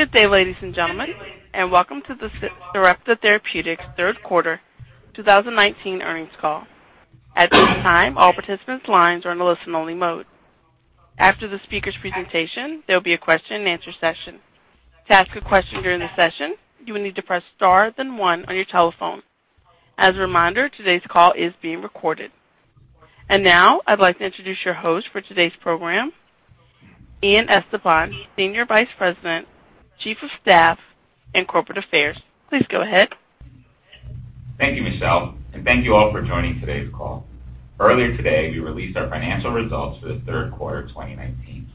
Good day, ladies and gentlemen, welcome to the Sarepta Therapeutics third quarter 2019 earnings call. At this time, all participants' lines are in a listen-only mode. After the speakers' presentation, there will be a question and answer session. To ask a question during the session, you will need to press star then one on your telephone. As a reminder, today's call is being recorded. Now I'd like to introduce your host for today's program, Ian Estepan, Senior Vice President, Chief of Staff and Corporate Affairs. Please go ahead. Thank you, Michelle, thank you all for joining today's call. Earlier today, we released our financial results for the third quarter of 2019.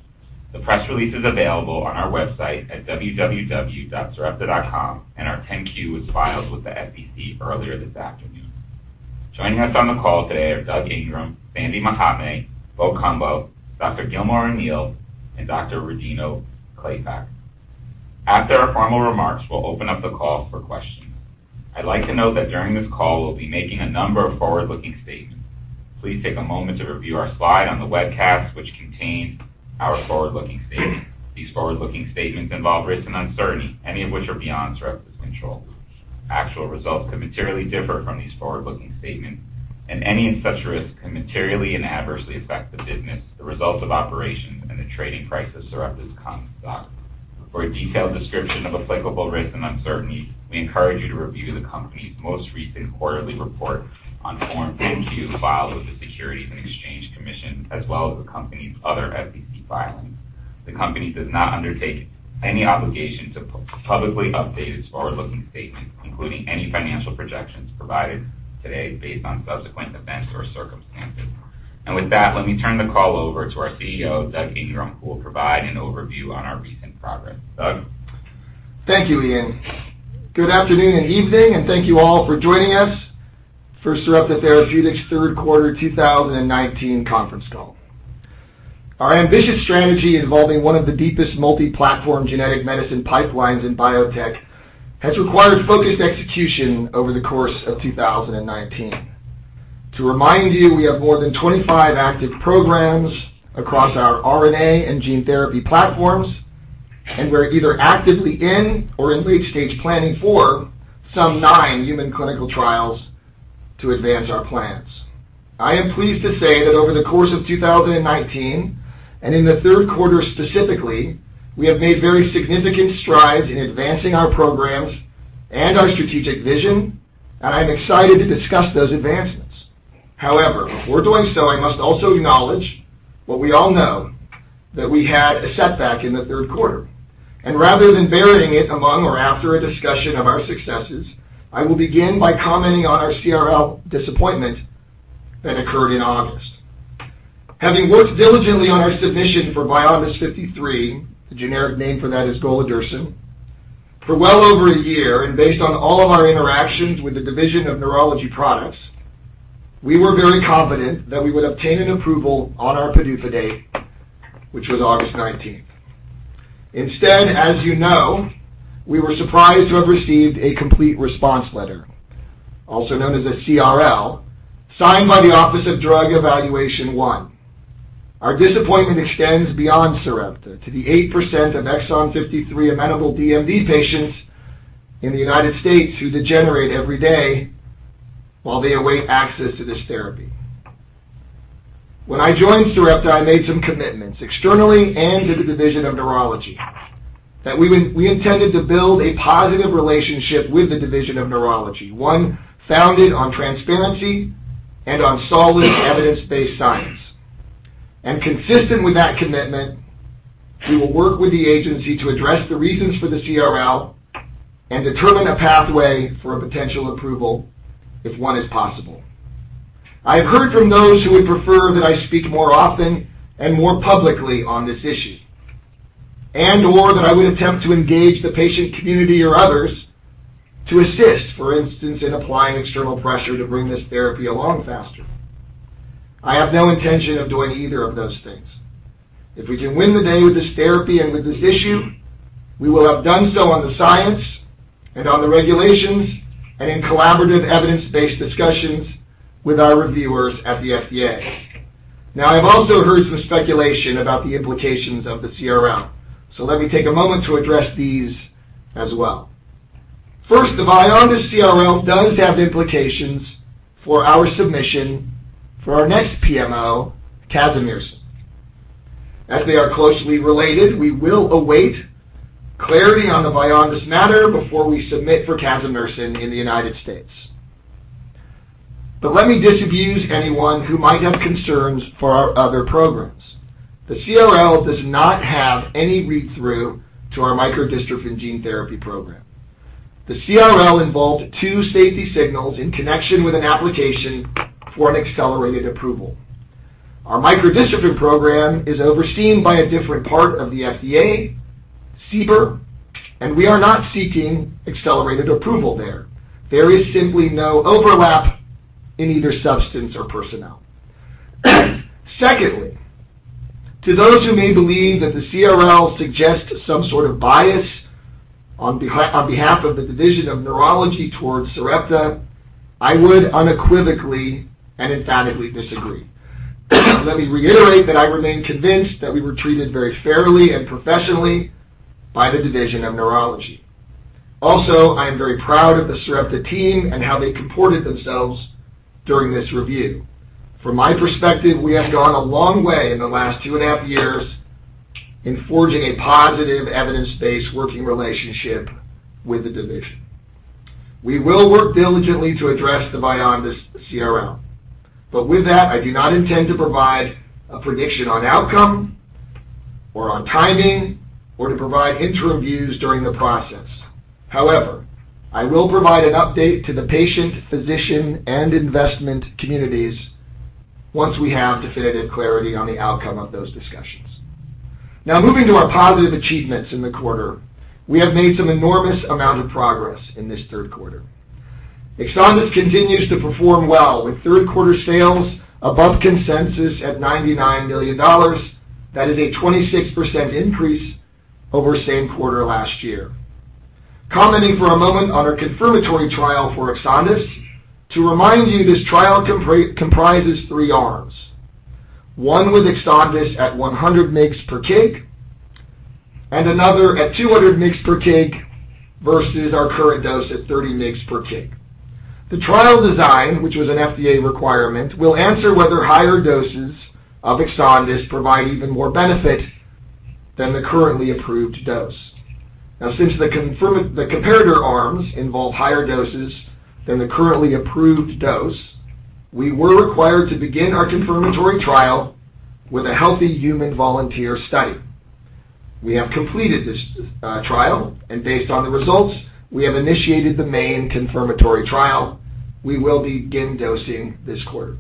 The press release is available on our website at www.sarepta.com and our 10-Q was filed with the SEC earlier this afternoon. Joining us on the call today are Doug Ingram, Sandy Mahatme, Bo Cumbo, Dr. Gilmore O'Neill, and Dr. Rodino-Klapac. After our formal remarks, we'll open up the call for questions. I'd like to note that during this call, we'll be making a number of forward-looking statements. Please take a moment to review our slide on the webcast, which contains our forward-looking statements. These forward-looking statements involve risks and uncertainty, any of which are beyond Sarepta's control. Actual results could materially differ from these forward-looking statements, and any such risks can materially and adversely affect the business, the results of operations, and the trading price of Sarepta's common stock. For a detailed description of applicable risk and uncertainty, we encourage you to review the company's most recent quarterly report on Form 10-Q filed with the Securities and Exchange Commission, as well as the company's other SEC filings. The company does not undertake any obligation to publicly update its forward-looking statement, including any financial projections provided today based on subsequent events or circumstances. With that, let me turn the call over to our CEO, Doug Ingram, who will provide an overview on our recent progress. Doug? Thank you, Ian. Good afternoon and evening, and thank you all for joining us for Sarepta Therapeutics' third quarter 2019 conference call. Our ambitious strategy involving one of the deepest multi-platform genetic medicine pipelines in biotech has required focused execution over the course of 2019. To remind you, we have more than 25 active programs across our RNA and gene therapy platforms, and we're either actively in or in late-stage planning for some nine human clinical trials to advance our plans. I am pleased to say that over the course of 2019, and in the third quarter specifically, we have made very significant strides in advancing our programs and our strategic vision, and I'm excited to discuss those advancements. However, before doing so, I must also acknowledge what we all know, that we had a setback in the third quarter. Rather than burying it among or after a discussion of our successes, I will begin by commenting on our CRL disappointment that occurred in August. Having worked diligently on our submission for Vyondys 53, the generic name for that is golodirsen, for well over a year, and based on all of our interactions with the Division of Neurology Products, we were very confident that we would obtain an approval on our PDUFA date, which was August 19th. Instead, as you know, we were surprised to have received a complete response letter, also known as a CRL, signed by the Office of Drug Evaluation I. Our disappointment extends beyond Sarepta to the 8% of exon 53-amenable DMD patients in the United States who degenerate every day while they await access to this therapy. When I joined Sarepta, I made some commitments, externally and to the Division of Neurology, that we intended to build a positive relationship with the Division of Neurology, one founded on transparency and on solid evidence-based science. Consistent with that commitment, we will work with the agency to address the reasons for the CRL and determine a pathway for a potential approval if one is possible. I have heard from those who would prefer that I speak more often and more publicly on this issue, and/or that I would attempt to engage the patient community or others to assist, for instance, in applying external pressure to bring this therapy along faster. I have no intention of doing either of those things. If we can win the day with this therapy and with this issue, we will have done so on the science and on the regulations and in collaborative evidence-based discussions with our reviewers at the FDA. I've also heard some speculation about the implications of the CRL, let me take a moment to address these as well. First of all, the Vyondys CRL does have implications for our submission for our next PMO, casimersen. As they are closely related, we will await clarity on the Vyondys matter before we submit for casimersen in the United States. Let me disabuse anyone who might have concerns for our other programs. The CRL does not have any read-through to our micro-dystrophin gene therapy program. The CRL involved two safety signals in connection with an application for an accelerated approval. Our micro-dystrophin program is overseen by a different part of the FDA, CBER, and we are not seeking accelerated approval there. There is simply no overlap in either substance or personnel. Secondly, to those who may believe that the CRL suggests some sort of bias on behalf of the Division of Neurology towards Sarepta, I would unequivocally and emphatically disagree. Let me reiterate that I remain convinced that we were treated very fairly and professionally by the Division of Neurology. Also, I am very proud of the Sarepta team and how they comported themselves during this review. From my perspective, we have gone a long way in the last 2.5 years in forging a positive evidence-based working relationship with the division. We will work diligently to address the Vyondys CRL. With that, I do not intend to provide a prediction on outcome or on timing, or to provide interim views during the process. However, I will provide an update to the patient, physician, and investment communities once we have definitive clarity on the outcome of those discussions. Now moving to our positive achievements in the quarter. We have made some enormous amount of progress in this third quarter. EXONDYS continues to perform well with third quarter sales above consensus at $99 million. That is a 26% increase over same quarter last year. Commenting for a moment on our confirmatory trial for EXONDYS. To remind you, this trial comprises three arms. One with EXONDYS at 100 mg/kg, and another at 200 mg/kg versus our current dose at 30 mg/kg. The trial design, which was an FDA requirement, will answer whether higher doses of EXONDYS provide even more benefit than the currently approved dose. Now, since the comparator arms involve higher doses than the currently approved dose, we were required to begin our confirmatory trial with a healthy human volunteer study. We have completed this trial, and based on the results, we have initiated the main confirmatory trial. We will begin dosing this quarter.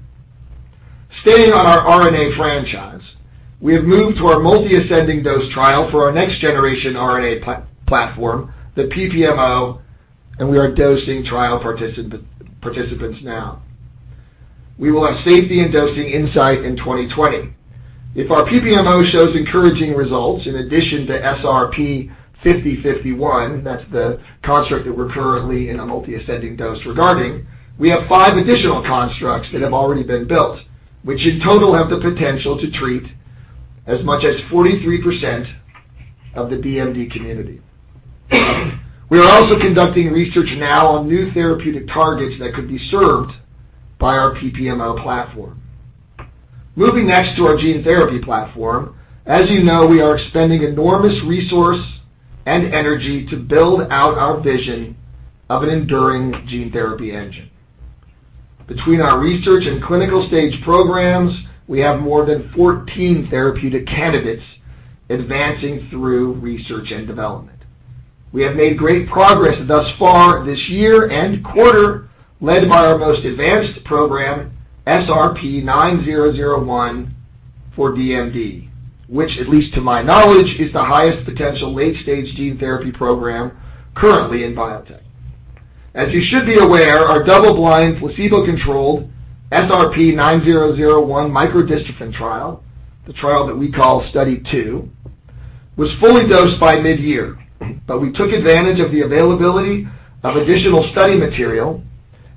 Staying on our RNA franchise, we have moved to our multi-ascending dose trial for our next generation RNA platform, the PPMO, and we are dosing trial participants now. We will have safety and dosing insight in 2020. If our PPMO shows encouraging results in addition to SRP-5051, that is the construct that we are currently in a multi-ascending dose regarding, we have five additional constructs that have already been built, which in total have the potential to treat as much as 43% of the DMD community. We are also conducting research now on new therapeutic targets that could be served by our PPMO platform. Moving next to our gene therapy platform. As you know, we are expending enormous resource and energy to build out our vision of an enduring gene therapy engine. Between our research and clinical stage programs, we have more than 14 therapeutic candidates advancing through research and development. We have made great progress thus far this year and quarter, led by our most advanced program, SRP-9001 for DMD, which at least to my knowledge, is the highest potential late-stage gene therapy program currently in biotech. As you should be aware, our double-blind, placebo-controlled SRP-9001 micro-dystrophin trial, the trial that we call Study 2, was fully dosed by mid-year. We took advantage of the availability of additional study material,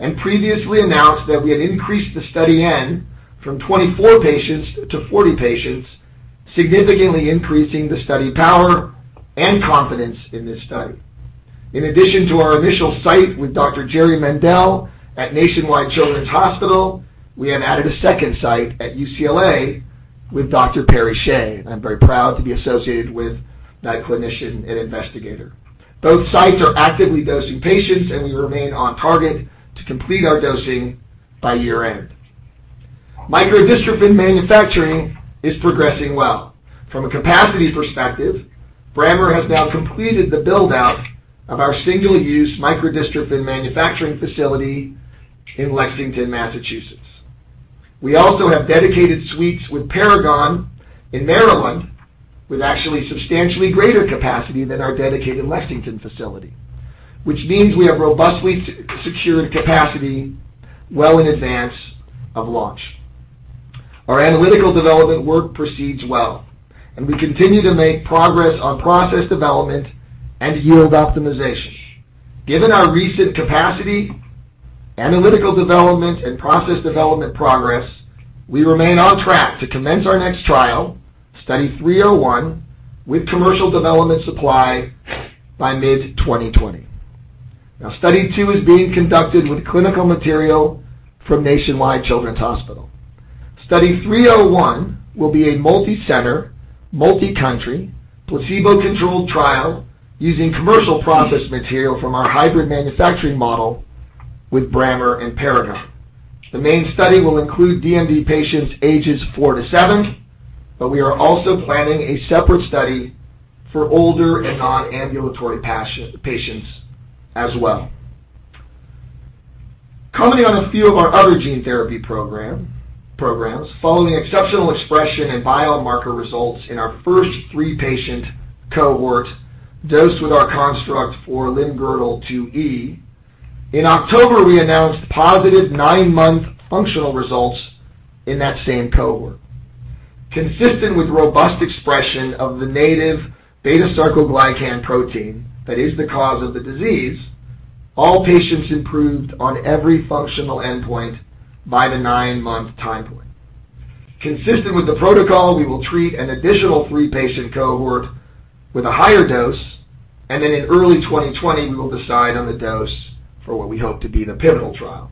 and previously announced that we had increased the study N from 24 patients to 40 patients, significantly increasing the study power and confidence in this study. In addition to our initial site with Dr. Jerry Mendell at Nationwide Children's Hospital, we have added a second site at UCLA with Dr. Perry Shieh. I'm very proud to be associated with that clinician and investigator. Both sites are actively dosing patients, and we remain on target to complete our dosing by year-end. Micro-dystrophin manufacturing is progressing well. From a capacity perspective, Brammer has now completed the build-out of our single-use micro-dystrophin manufacturing facility in Lexington, Massachusetts. We also have dedicated suites with Paragon in Maryland, with actually substantially greater capacity than our dedicated Lexington facility, which means we have robustly secured capacity well in advance of launch. Our analytical development would proceed well. We continue to make progress on process development and yield optimization. Given our recent capacity, analytical development, and process development progress, we remain on track to commence our next trial, Study 301, with commercial development supply by mid-2020. Study 2 is being conducted with clinical material from Nationwide Children's Hospital. Study 301 will be a multi-center, multi-country, placebo-controlled trial using commercial process material from our hybrid manufacturing model with Brammer and Paragon. The main study will include DMD patients ages four to seven, but we are also planning a separate study for older and non-ambulatory patients as well. Commenting on a few of our other gene therapy programs. Following exceptional expression and biomarker results in our first three-patient cohort dosed with our construct for limb-girdle 2E, in October, we announced positive nine-month functional results in that same cohort. Consistent with robust expression of the native beta-sarcoglycan protein that is the cause of the disease, all patients improved on every functional endpoint by the nine-month time point. Consistent with the protocol, we will treat an additional three-patient cohort with a higher dose, and then in early 2020, we will decide on the dose for what we hope to be the pivotal trial.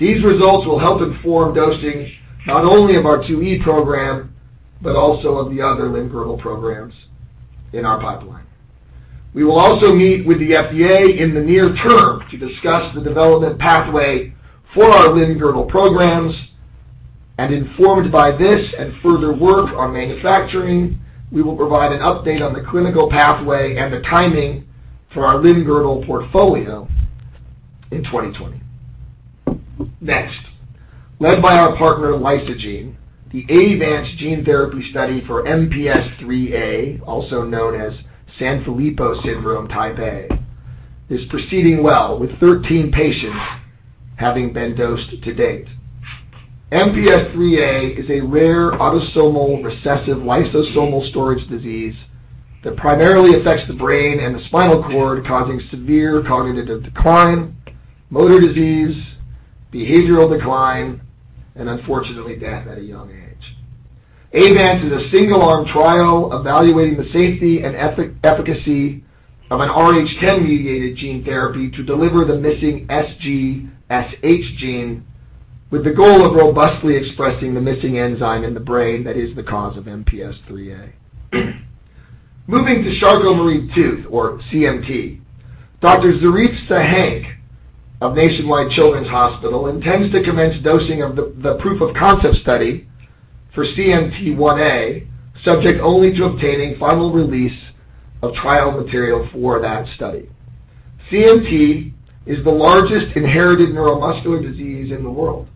These results will help inform dosing not only of our 2E program, but also of the other limb-girdle programs in our pipeline. We will also meet with the FDA in the near term to discuss the development pathway for our limb-girdle programs. Informed by this and further work on manufacturing, we will provide an update on the clinical pathway and the timing for our limb-girdle portfolio in 2020. Next, led by our partner, Lysogene, the AAVance gene therapy study for MPS IIIA, also known as Sanfilippo syndrome type A, is proceeding well with 13 patients having been dosed to date. MPS IIIA is a rare autosomal recessive lysosomal storage disease that primarily affects the brain and the spinal cord, causing severe cognitive decline, motor disease, behavioral decline, and unfortunately, death at a young age. AAVance is a single-arm trial evaluating the safety and efficacy of an rh10-mediated gene therapy to deliver the missing SGSH gene with the goal of robustly expressing the missing enzyme in the brain that is the cause of MPS IIIA. Moving to Charcot-Marie-Tooth, or CMT, Dr. Zarife Sahenk of Nationwide Children's Hospital intends to commence dosing of the proof-of-concept study for CMT1A, subject only to obtaining final release of trial material for that study. CMT is the largest inherited neuromuscular disease in the world,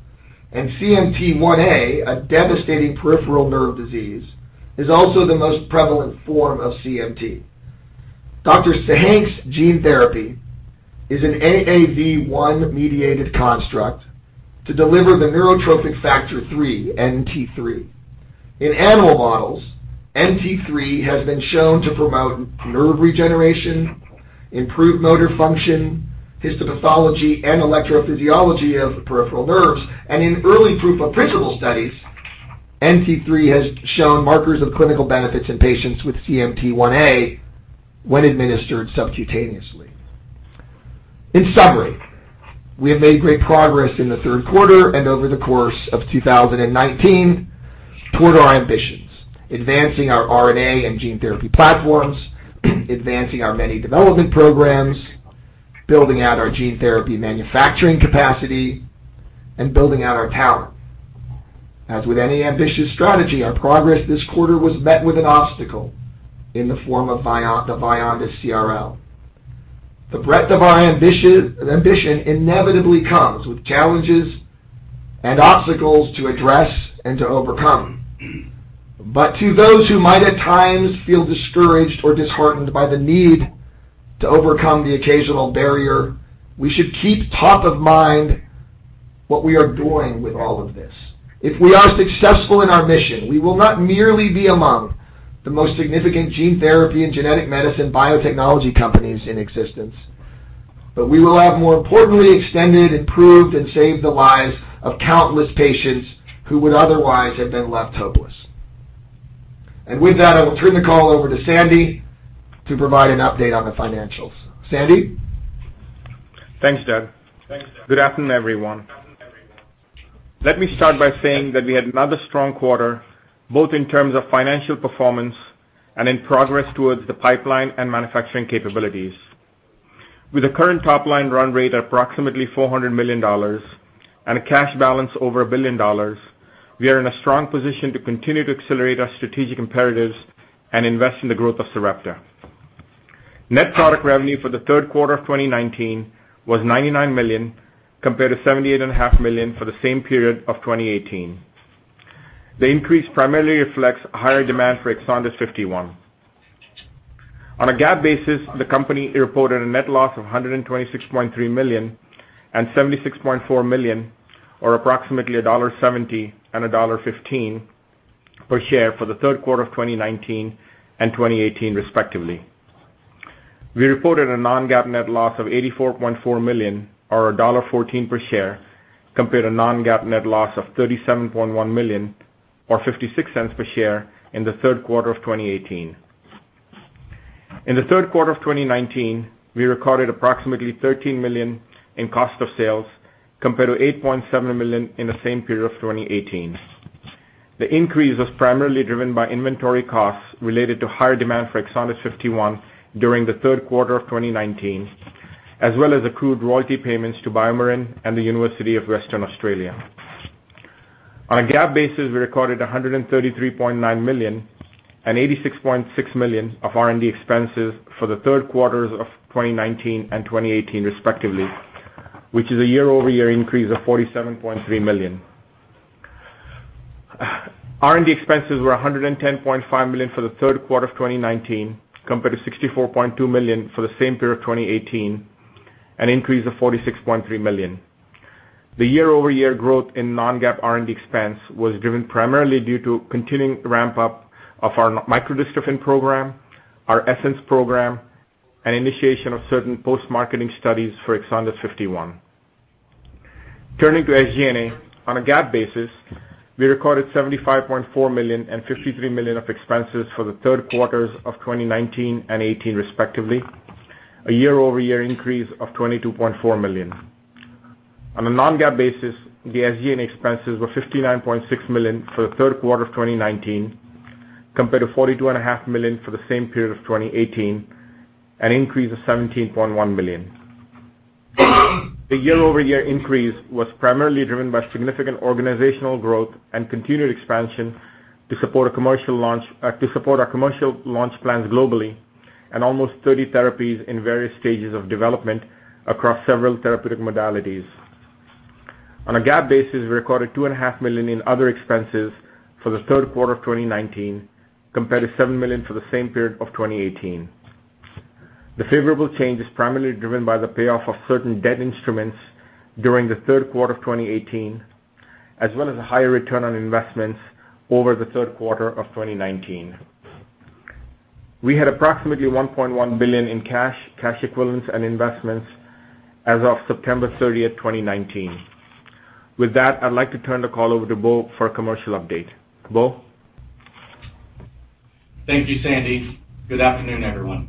and CMT1A, a devastating peripheral nerve disease, is also the most prevalent form of CMT. Dr. Sahenk's gene therapy is an AAV1-mediated construct to deliver the Neurotrophin-3, NT-3. In animal models, NT-3 has been shown to promote nerve regeneration, improve motor function, histopathology, and electrophysiology of peripheral nerves. In early proof of principle studies, NT-3 has shown markers of clinical benefits in patients with CMT1A when administered subcutaneously. In summary, we have made great progress in the third quarter and over the course of 2019 toward our ambitions, advancing our RNA and gene therapy platforms, advancing our many development programs, building out our gene therapy manufacturing capacity, and building out our talent. As with any ambitious strategy, our progress this quarter was met with an obstacle in the form of the Vyondys CRL. The breadth of our ambition inevitably comes with challenges and obstacles to address and to overcome. To those who might at times feel discouraged or disheartened by the need to overcome the occasional barrier, we should keep top of mind what we are doing with all of this. If we are successful in our mission, we will not merely be among the most significant gene therapy and genetic medicine biotechnology companies in existence, but we will have more importantly extended, improved, and saved the lives of countless patients who would otherwise have been left hopeless. With that, I will turn the call over to Sandy to provide an update on the financials. Sandy? Thanks, Doug. Good afternoon, everyone. Let me start by saying that we had another strong quarter, both in terms of financial performance and in progress towards the pipeline and manufacturing capabilities. With a current top-line run rate at approximately $400 million and a cash balance over $1 billion, we are in a strong position to continue to accelerate our strategic imperatives and invest in the growth of Sarepta. Net product revenue for the third quarter of 2019 was $99 million, compared to $78.5 million for the same period of 2018. The increase primarily reflects a higher demand for EXONDYS 51. On a GAAP basis, the company reported a net loss of $126.3 million and $76.4 million, or approximately $1.70 and $1.15 per share for the third quarter of 2019 and 2018, respectively. We reported a non-GAAP net loss of $84.4 million or $1.14 per share, compared to non-GAAP net loss of $37.1 million or $0.56 per share in the third quarter of 2018. In the third quarter of 2019, we recorded approximately $13 million in cost of sales, compared to $8.7 million in the same period of 2018. The increase was primarily driven by inventory costs related to higher demand for EXONDYS 51 during the third quarter of 2019, as well as accrued royalty payments to BioMarin and The University of Western Australia. On a GAAP basis, we recorded $133.9 million and $86.6 million of R&D expenses for the third quarters of 2019 and 2018, respectively, which is a year-over-year increase of $47.3 million. R&D expenses were $110.5 million for the third quarter of 2019, compared to $64.2 million for the same period of 2018, an increase of $46.3 million. The year-over-year growth in non-GAAP R&D expense was driven primarily due to continuing ramp-up of our micro-dystrophin program, our ESSENCE program, and initiation of certain post-marketing studies for EXONDYS 51. Turning to SG&A. On a GAAP basis, we recorded $75.4 million and $53 million of expenses for the third quarters of 2019 and 2018, respectively, a year-over-year increase of $22.4 million. On a non-GAAP basis, the SG&A expenses were $59.6 million for the third quarter of 2019 compared to $42.5 million for the same period of 2018, an increase of $17.1 million. The year-over-year increase was primarily driven by significant organizational growth and continued expansion to support our commercial launch plans globally and almost 30 therapies in various stages of development across several therapeutic modalities. On a GAAP basis, we recorded $2.5 million in other expenses for the third quarter of 2019, compared to $7 million for the same period of 2018. The favorable change is primarily driven by the payoff of certain debt instruments during the third quarter of 2018, as well as a higher return on investments over the third quarter of 2019. We had approximately $1.1 billion in cash, cash equivalents, and investments as of September 30th, 2019. With that, I'd like to turn the call over to Bo for a commercial update. Bo? Thank you, Sandy. Good afternoon, everyone.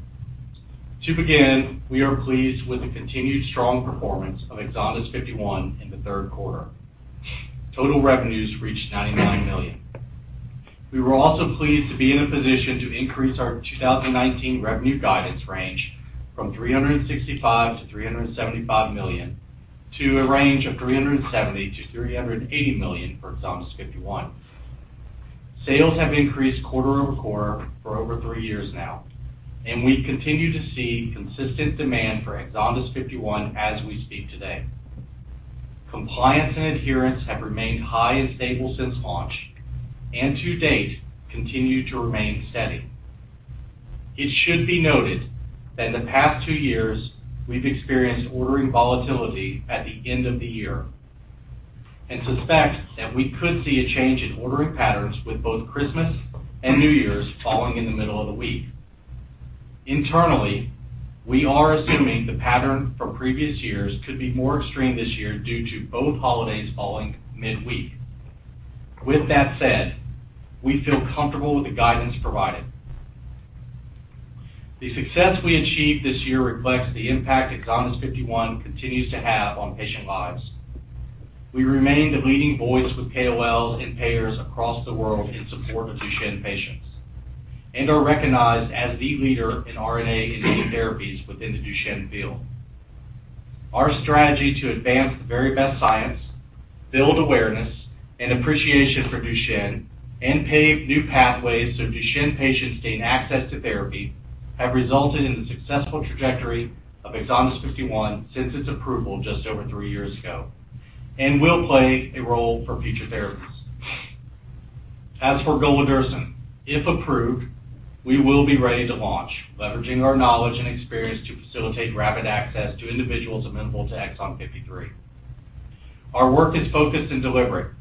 To begin, we are pleased with the continued strong performance of EXONDYS 51 in the third quarter. Total revenues reached $99 million. We were also pleased to be in a position to increase our 2019 revenue guidance range from $365 million-$375 million to a range of $370 million-$380 million for EXONDYS 51. Sales have increased quarter-over-quarter for over three years now, and we continue to see consistent demand for EXONDYS 51 as we speak today. Compliance and adherence have remained high and stable since launch and to date continue to remain steady. It should be noted that in the past two years, we've experienced ordering volatility at the end of the year and suspect that we could see a change in ordering patterns with both Christmas and New Year's falling in the middle of the week. Internally, we are assuming the pattern for previous years could be more extreme this year due to both holidays falling midweek. With that said, we feel comfortable with the guidance provided. The success we achieved this year reflects the impact EXONDYS 51 continues to have on patient lives. We remain the leading voice with KOLs and payers across the world in support of Duchenne patients and are recognized as the leader in RNA and gene therapies within the Duchenne field. Our strategy to advance the very best science, build awareness and appreciation for Duchenne, and pave new pathways so Duchenne patients gain access to therapy, have resulted in the successful trajectory of EXONDYS 51 since its approval just over three years ago and will play a role for future therapies. As for golodirsen, if approved, we will be ready to launch, leveraging our knowledge and experience to facilitate rapid access to individuals amenable to exon 53. Our work is focused and deliberate,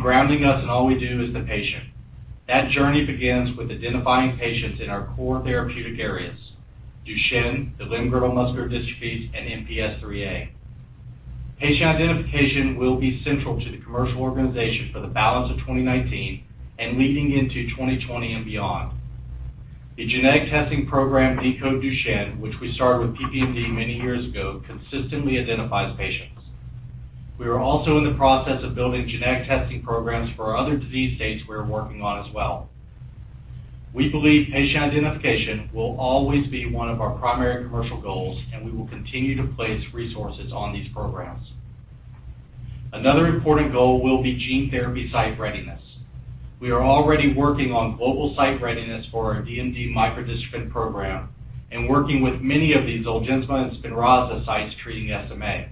grounding us in all we do is the patient. That journey begins with identifying patients in our core therapeutic areas: Duchenne, the limb-girdle muscular dystrophies, and MPS IIIA. Patient identification will be central to the commercial organization for the balance of 2019 and leading into 2020 and beyond. The genetic testing program, Decode Duchenne, which we started with PPMD many years ago, consistently identifies patients. We are also in the process of building genetic testing programs for our other disease states we are working on as well. We believe patient identification will always be one of our primary commercial goals, we will continue to place resources on these programs. Another important goal will be gene therapy site readiness. We are already working on global site readiness for our DMD micro-dystrophin program and working with many of the ZOLGENSMA and SPINRAZA sites treating SMA.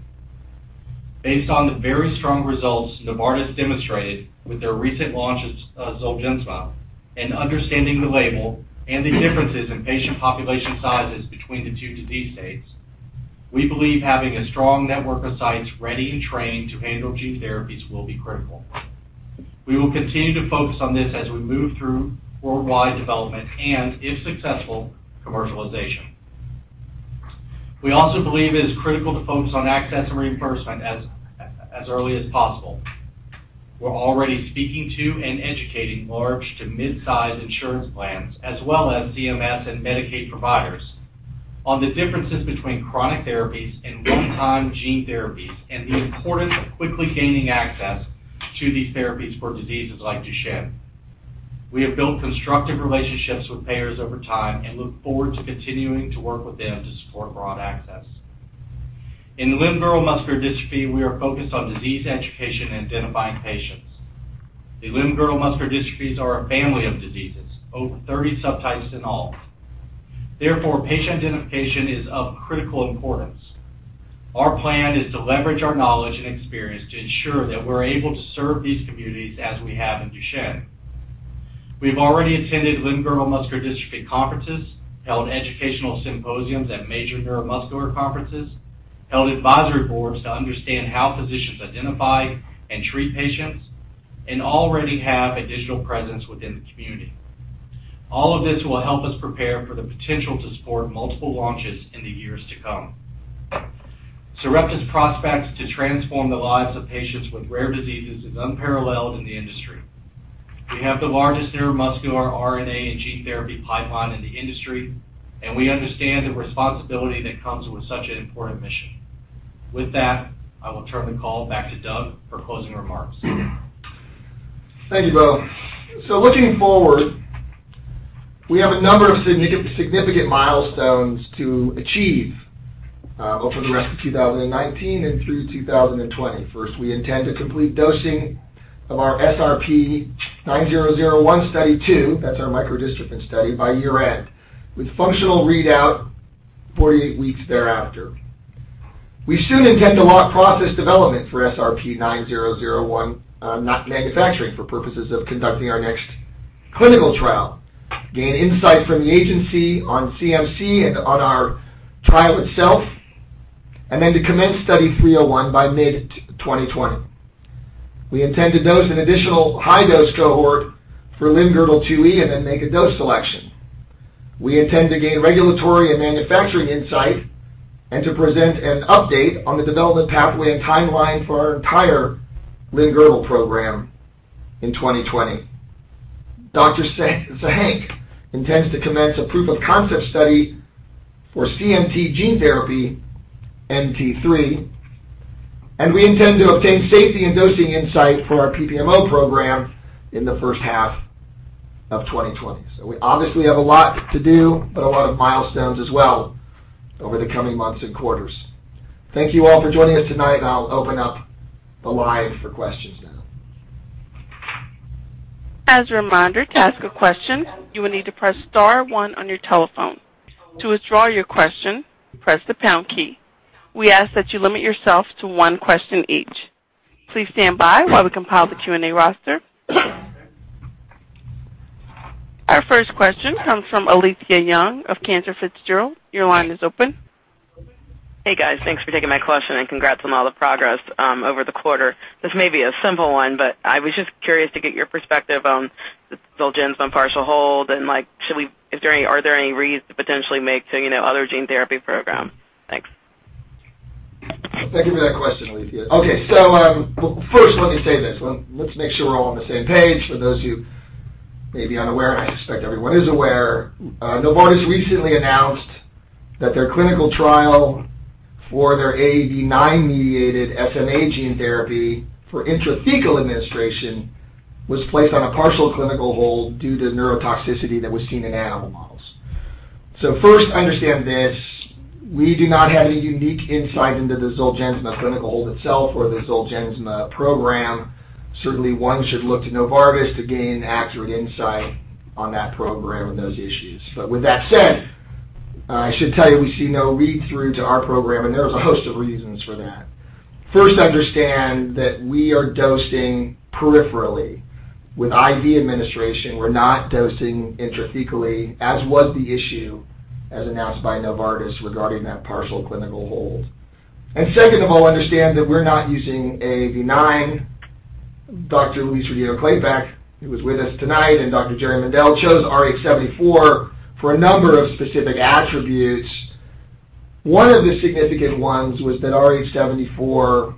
Based on the very strong results Novartis demonstrated with their recent launch of ZOLGENSMA, and understanding the label and the differences in patient population sizes between the two disease states, we believe having a strong network of sites ready and trained to handle gene therapies will be critical. We will continue to focus on this as we move through worldwide development and, if successful, commercialization. We also believe it is critical to focus on access and reimbursement as early as possible. We're already speaking to and educating large to mid-size insurance plans, as well as CMS and Medicaid providers, on the differences between chronic therapies and one-time gene therapies and the importance of quickly gaining access to these therapies for diseases like Duchenne. We have built constructive relationships with payers over time and look forward to continuing to work with them to support broad access. In limb-girdle muscular dystrophy, we are focused on disease education and identifying patients. The limb-girdle muscular dystrophies are a family of diseases, over 30 subtypes in all. Therefore, patient identification is of critical importance. Our plan is to leverage our knowledge and experience to ensure that we're able to serve these communities as we have in Duchenne. We've already attended limb-girdle muscular dystrophy conferences, held educational symposiums at major neuromuscular conferences, held advisory boards to understand how physicians identify and treat patients, and already have a digital presence within the community. All of this will help us prepare for the potential to support multiple launches in the years to come. Sarepta's prospects to transform the lives of patients with rare diseases is unparalleled in the industry. We have the largest neuromuscular RNA and gene therapy pipeline in the industry, and we understand the responsibility that comes with such an important mission. With that, I will turn the call back to Doug for closing remarks. Thank you, Bo. Looking forward, we have a number of significant milestones to achieve over the rest of 2019 and through 2020. First, we intend to complete dosing of our SRP-9001 Study 2, that's our micro-dystrophin study, by year-end, with functional readout 48 weeks thereafter. We soon intend to launch process development for SRP-9001, not manufacturing, for purposes of conducting our next clinical trial, gain insight from the agency on CMC and on our trial itself, to commence Study 301 by mid-2020. We intend to dose an additional high-dose cohort for limb-girdle 2E, make a dose selection. We intend to gain regulatory and manufacturing insight to present an update on the development pathway and timeline for our entire limb-girdle program in 2020. Dr. Zarife Sahenk intends to commence a proof of concept study for CMT gene therapy NT-3, and we intend to obtain safety and dosing insight for our PPMO program in the first half of 2020. We obviously have a lot to do, but a lot of milestones as well over the coming months and quarters. Thank you all for joining us tonight, and I'll open up the line for questions now. As a reminder, to ask a question, you will need to press star one on your telephone. To withdraw your question, press the pound key. We ask that you limit yourself to one question each. Please stand by while we compile the Q&A roster. Our first question comes from Alethia Young of Cantor Fitzgerald. Your line is open. Hey, guys. Thanks for taking my question, and congrats on all the progress over the quarter. This may be a simple one, but I was just curious to get your perspective on ZOLGENSMA partial hold and are there any reads to potentially make to other gene therapy program? Thanks. Thank you for that question, Alethia. Okay. First let me say this. Let's make sure we're all on the same page. For those who may be unaware, and I expect everyone is aware, Novartis recently announced that their clinical trial for their AAV9-mediated SMA gene therapy for intrathecal administration was placed on a partial clinical hold due to neurotoxicity that was seen in animal models. First, understand this, we do not have any unique insight into the ZOLGENSMA clinical hold itself or the ZOLGENSMA program. Certainly, one should look to Novartis to gain accurate insight on that program and those issues. With that said, I should tell you, we see no read-through to our program, and there is a host of reasons for that. First, understand that we are dosing peripherally with IV administration. We're not dosing intrathecally, as was the issue as announced by Novartis regarding that partial clinical hold. Second of all, understand that we're not using AAV9. Dr. Louise Rodino-Klapac, who was with us tonight, and Dr. Jerry Mendell chose AAVrh74 for a number of specific attributes. One of the significant ones was that AAVrh74,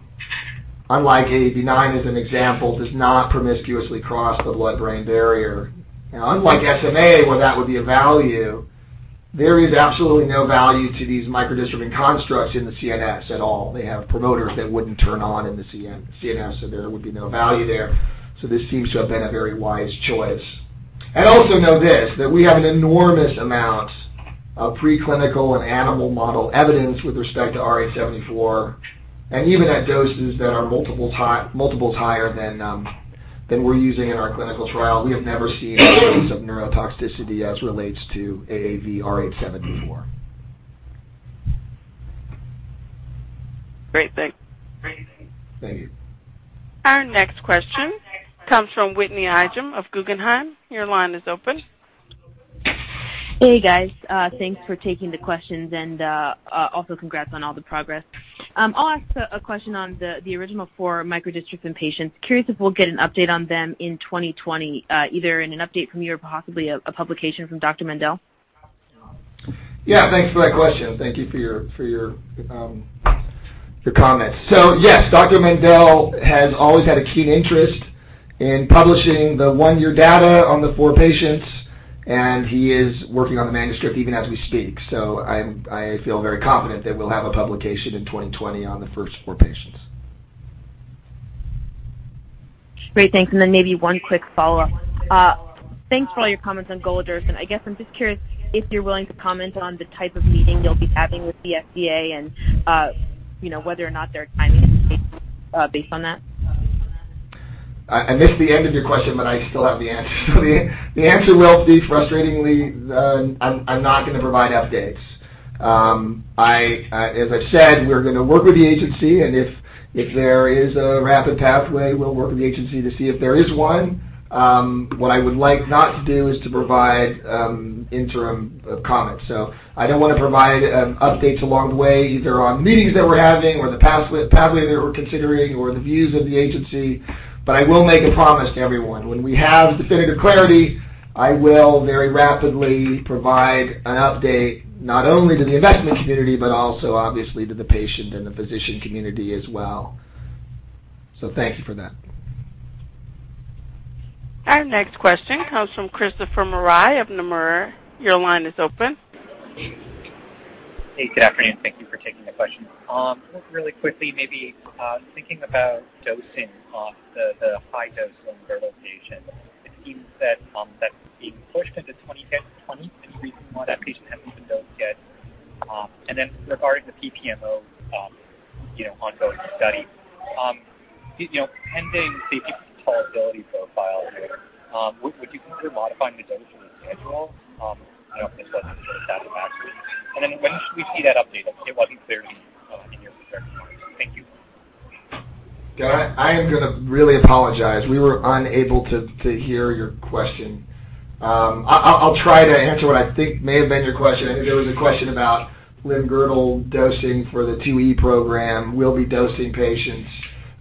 unlike AAV9 as an example, does not promiscuously cross the blood-brain barrier. Now, unlike SMA, where that would be a value, there is absolutely no value to these micro-dystrophin constructs in the CNS at all. They have promoters that wouldn't turn on in the CNS, there would be no value there. This seems to have been a very wise choice. Also know this, that we have an enormous amount of preclinical and animal model evidence with respect to AAVrh74, and even at doses that are multiples higher than we're using in our clinical trial. We have never seen evidence of neurotoxicity as relates to AAVrh74. Great. Thanks. Thank you. Our next question comes from Whitney Ijem of Guggenheim. Your line is open. Hey, guys. Thanks for taking the questions, and also congrats on all the progress. I'll ask a question on the original four micro-dystrophin patients. Curious if we'll get an update on them in 2020, either in an update from you or possibly a publication from Dr. Mendell? Yeah. Thanks for that question. Thank you for your comments. Yes, Dr. Mendell has always had a keen interest in publishing the one-year data on the four patients, and he is working on the manuscript even as we speak. I feel very confident that we'll have a publication in 2020 on the first four patients. Great. Thanks. Then maybe one quick follow-up. Thanks for all your comments on golodirsen. I guess I'm just curious if you're willing to comment on the type of meeting you'll be having with the FDA and whether or not they're timing based on that? I missed the end of your question, but I still have the answer. The answer will be, frustratingly, I'm not going to provide updates. As I said, we're going to work with the agency, and if there is a rapid pathway, we'll work with the agency to see if there is one. What I would like not to do is to provide interim comments. I don't want to provide updates along the way, either on meetings that we're having or the pathway that we're considering or the views of the agency. I will make a promise to everyone. When we have definitive clarity, I will very rapidly provide an update, not only to the investment community, but also obviously to the patient and the physician community as well. Thank you for that. Our next question comes from Christopher Marai of Nomura. Your line is open. Hey. Good afternoon. Thank you for taking the question. Just really quickly, maybe thinking about dosing of the high dose limb-girdle patient. It seems that that's being pushed into 2023 before that patient has even dosed yet. Regarding the PPMO ongoing study, pending safety tolerability profile there, would you consider modifying the dosing schedule? If this was to show a rapid [response]. When should we see that update? It wasn't clear to me in your prepared comments. Thank you. I am going to really apologize. We were unable to hear your question. I'll try to answer what I think may have been your question. I think there was a question about limb-girdle dosing for the 2E program. We'll be dosing patients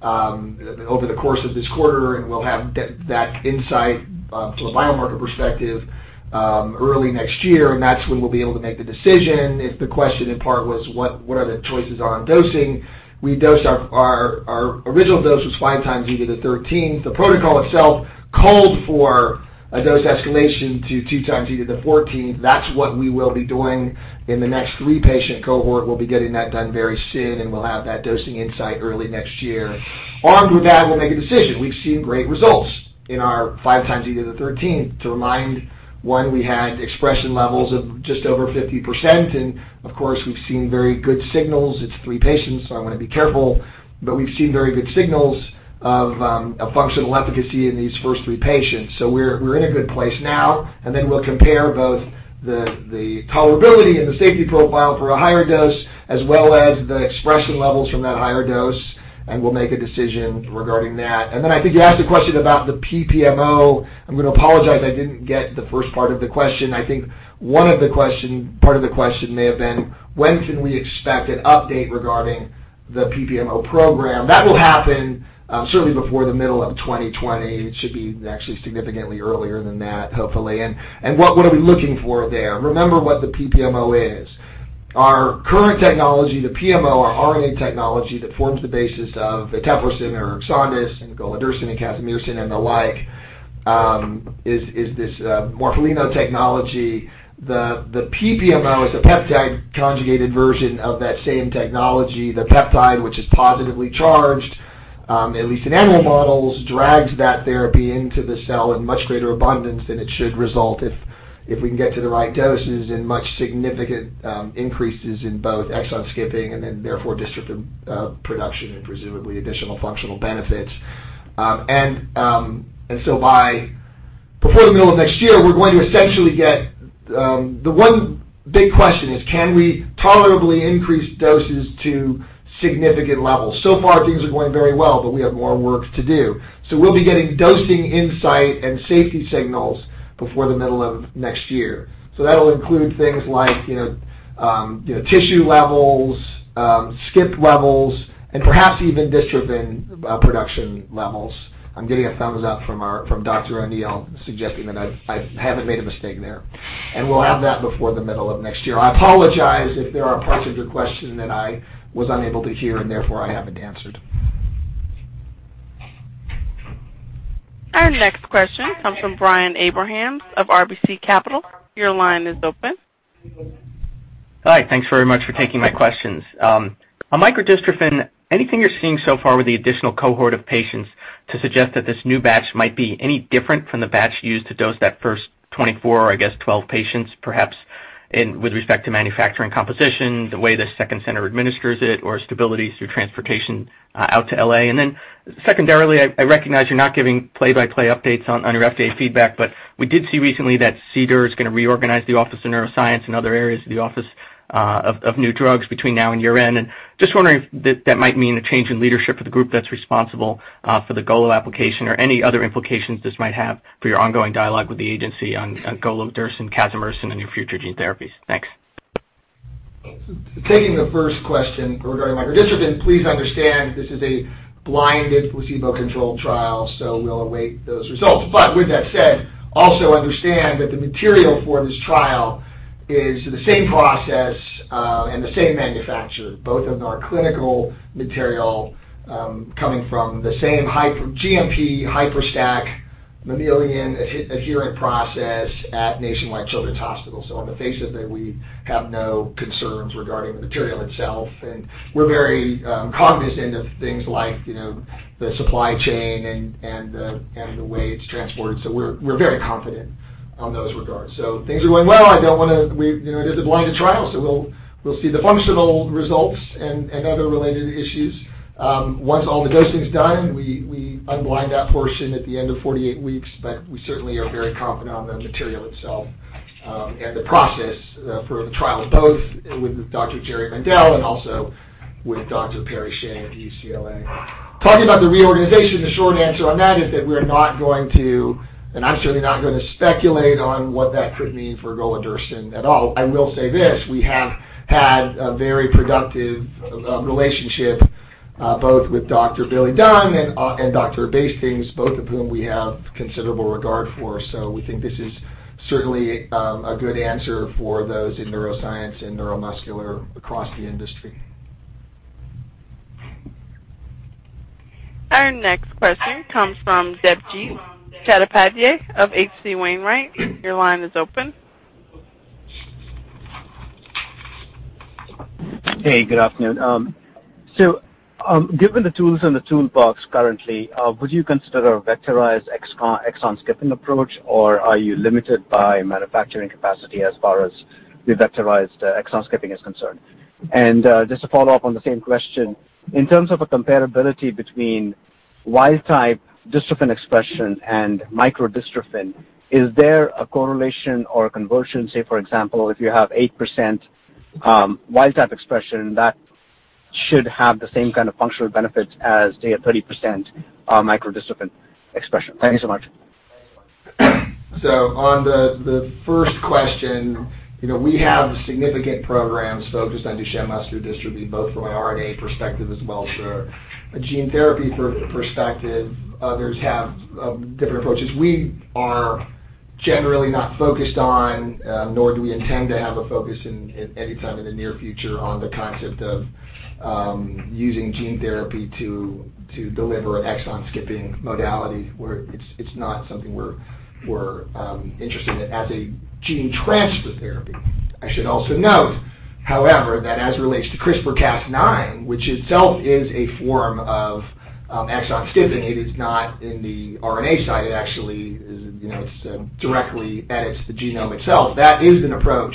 over the course of this quarter, and we'll have that insight from a biomarker perspective early next year, and that's when we'll be able to make the decision. If the question in part was what are the choices are on dosing, our original dose was 5x10^13. The protocol itself called for a dose escalation to 2x10^14. That's what we will be doing in the next three-patient cohort. We'll be getting that done very soon, and we'll have that dosing insight early next year. Armed with that, we'll make a decision. We've seen great results in our 5x10^13. To remind, one, we had expression levels of just over 50%. Of course, we've seen very good signals. It's three patients, I want to be careful, but we've seen very good signals of a functional efficacy in these first three patients. We're in a good place now. We'll compare both the tolerability and the safety profile for a higher dose as well as the expression levels from that higher dose, we'll make a decision regarding that. I think you asked a question about the PPMO. I'm going to apologize, I didn't get the first part of the question. I think part of the question may have been when can we expect an update regarding the PPMO program? That will happen certainly before the middle of 2020. It should be actually significantly earlier than that, hopefully. What are we looking for there? Remember what the PPMO is. Our current technology, the PMO, our RNA technology that forms the basis of the eteplirsen or EXONDYS, and golodirsen, and casimersen, and the like, is this morpholino technology. The PPMO is a peptide-conjugated version of that same technology. The peptide, which is positively charged, at least in animal models, drags that therapy into the cell in much greater abundance. Then it should result, if we can get to the right doses, in much significant increases in both exon skipping and therefore dystrophin production, and presumably, additional functional benefits. Before the middle of next year, the one big question is can we tolerably increase doses to significant levels? So far, things are going very well, but we have more work to do. We'll be getting dosing insight and safety signals before the middle of next year. That'll include things like tissue levels, skip levels, and perhaps even dystrophin production levels. I'm getting a thumbs up from Dr. O'Neill suggesting that I haven't made a mistake there. We'll have that before the middle of next year. I apologize if there are parts of your question that I was unable to hear and therefore I haven't answered. Our next question comes from Brian Abrahams of RBC Capital. Your line is open. Hi. Thanks very much for taking my questions. On micro-dystrophin, anything you're seeing so far with the additional cohort of patients to suggest that this new batch might be any different from the batch used to dose that first 24 or I guess 12 patients, perhaps with respect to manufacturing composition, the way the second center administers it, or stability through transportation out to L.A.? Secondarily, I recognize you're not giving play-by-play updates on your FDA feedback, but we did see recently that CDER is going to reorganize the Office of Neuroscience and other areas of the Office of New Drugs between now and year-end, and just wondering if that might mean a change in leadership for the group that's responsible for the golodirsen application or any other implications this might have for your ongoing dialogue with the agency on golodirsen, casimersen, and your future gene therapies. Thanks. Taking the first question regarding micro-dystrophin, please understand this is a blinded placebo-controlled trial, so we'll await those results. With that said, also understand that the material for this trial is the same process and the same manufacturer, both of our clinical material coming from the same GMP, HYPERStack, mammalian adherent process at Nationwide Children's Hospital. On the face of it, we have no concerns regarding the material itself. We're very cognizant of things like the supply chain and the way it's transported. We're very confident on those regards. Things are going well. It is a blinded trial, so we'll see the functional results and other related issues. Once all the dosing is done, we unblind that portion at the end of 48 weeks, but we certainly are very confident on the material itself and the process for the trial both with Dr. Jerry Mendell and also with Dr. Perry Shieh at UCLA. Talking about the reorganization, the short answer on that is that we're not going to, and I'm certainly not going to speculate on what that could mean for golodirsen at all. I will say this, we have had a very productive relationship both with Dr. Billy Dunn and Dr. Bastings, both of whom we have considerable regard for. We think this is certainly a good answer for those in neuroscience and neuromuscular across the industry. Our next question comes from Debjit Chattopadhyay of H.C. Wainwright. Your line is open. Hey, good afternoon. Given the tools in the toolbox currently, would you consider a vectorized exon skipping approach, or are you limited by manufacturing capacity as far as the vectorized exon skipping is concerned? Just to follow up on the same question, in terms of a comparability between wild type dystrophin expression and micro-dystrophin, is there a correlation or a conversion, say, for example, if you have 8% wild type expression, that should have the same kind of functional benefits as, say, a 30% micro-dystrophin expression? Thank you so much. On the first question, we have significant programs focused on Duchenne muscular dystrophy, both from a RNA perspective as well as for a gene therapy perspective. Others have different approaches. We are generally not focused on, nor do we intend to have a focus anytime in the near future, on the concept of using gene therapy to deliver an exon skipping modality. It's not something we're interested in as a gene transfer therapy. I should also note, however, that as it relates to CRISPR-Cas9, which itself is a form of exon skipping, it is not in the RNA side, it actually directly edits the genome itself. That is an approach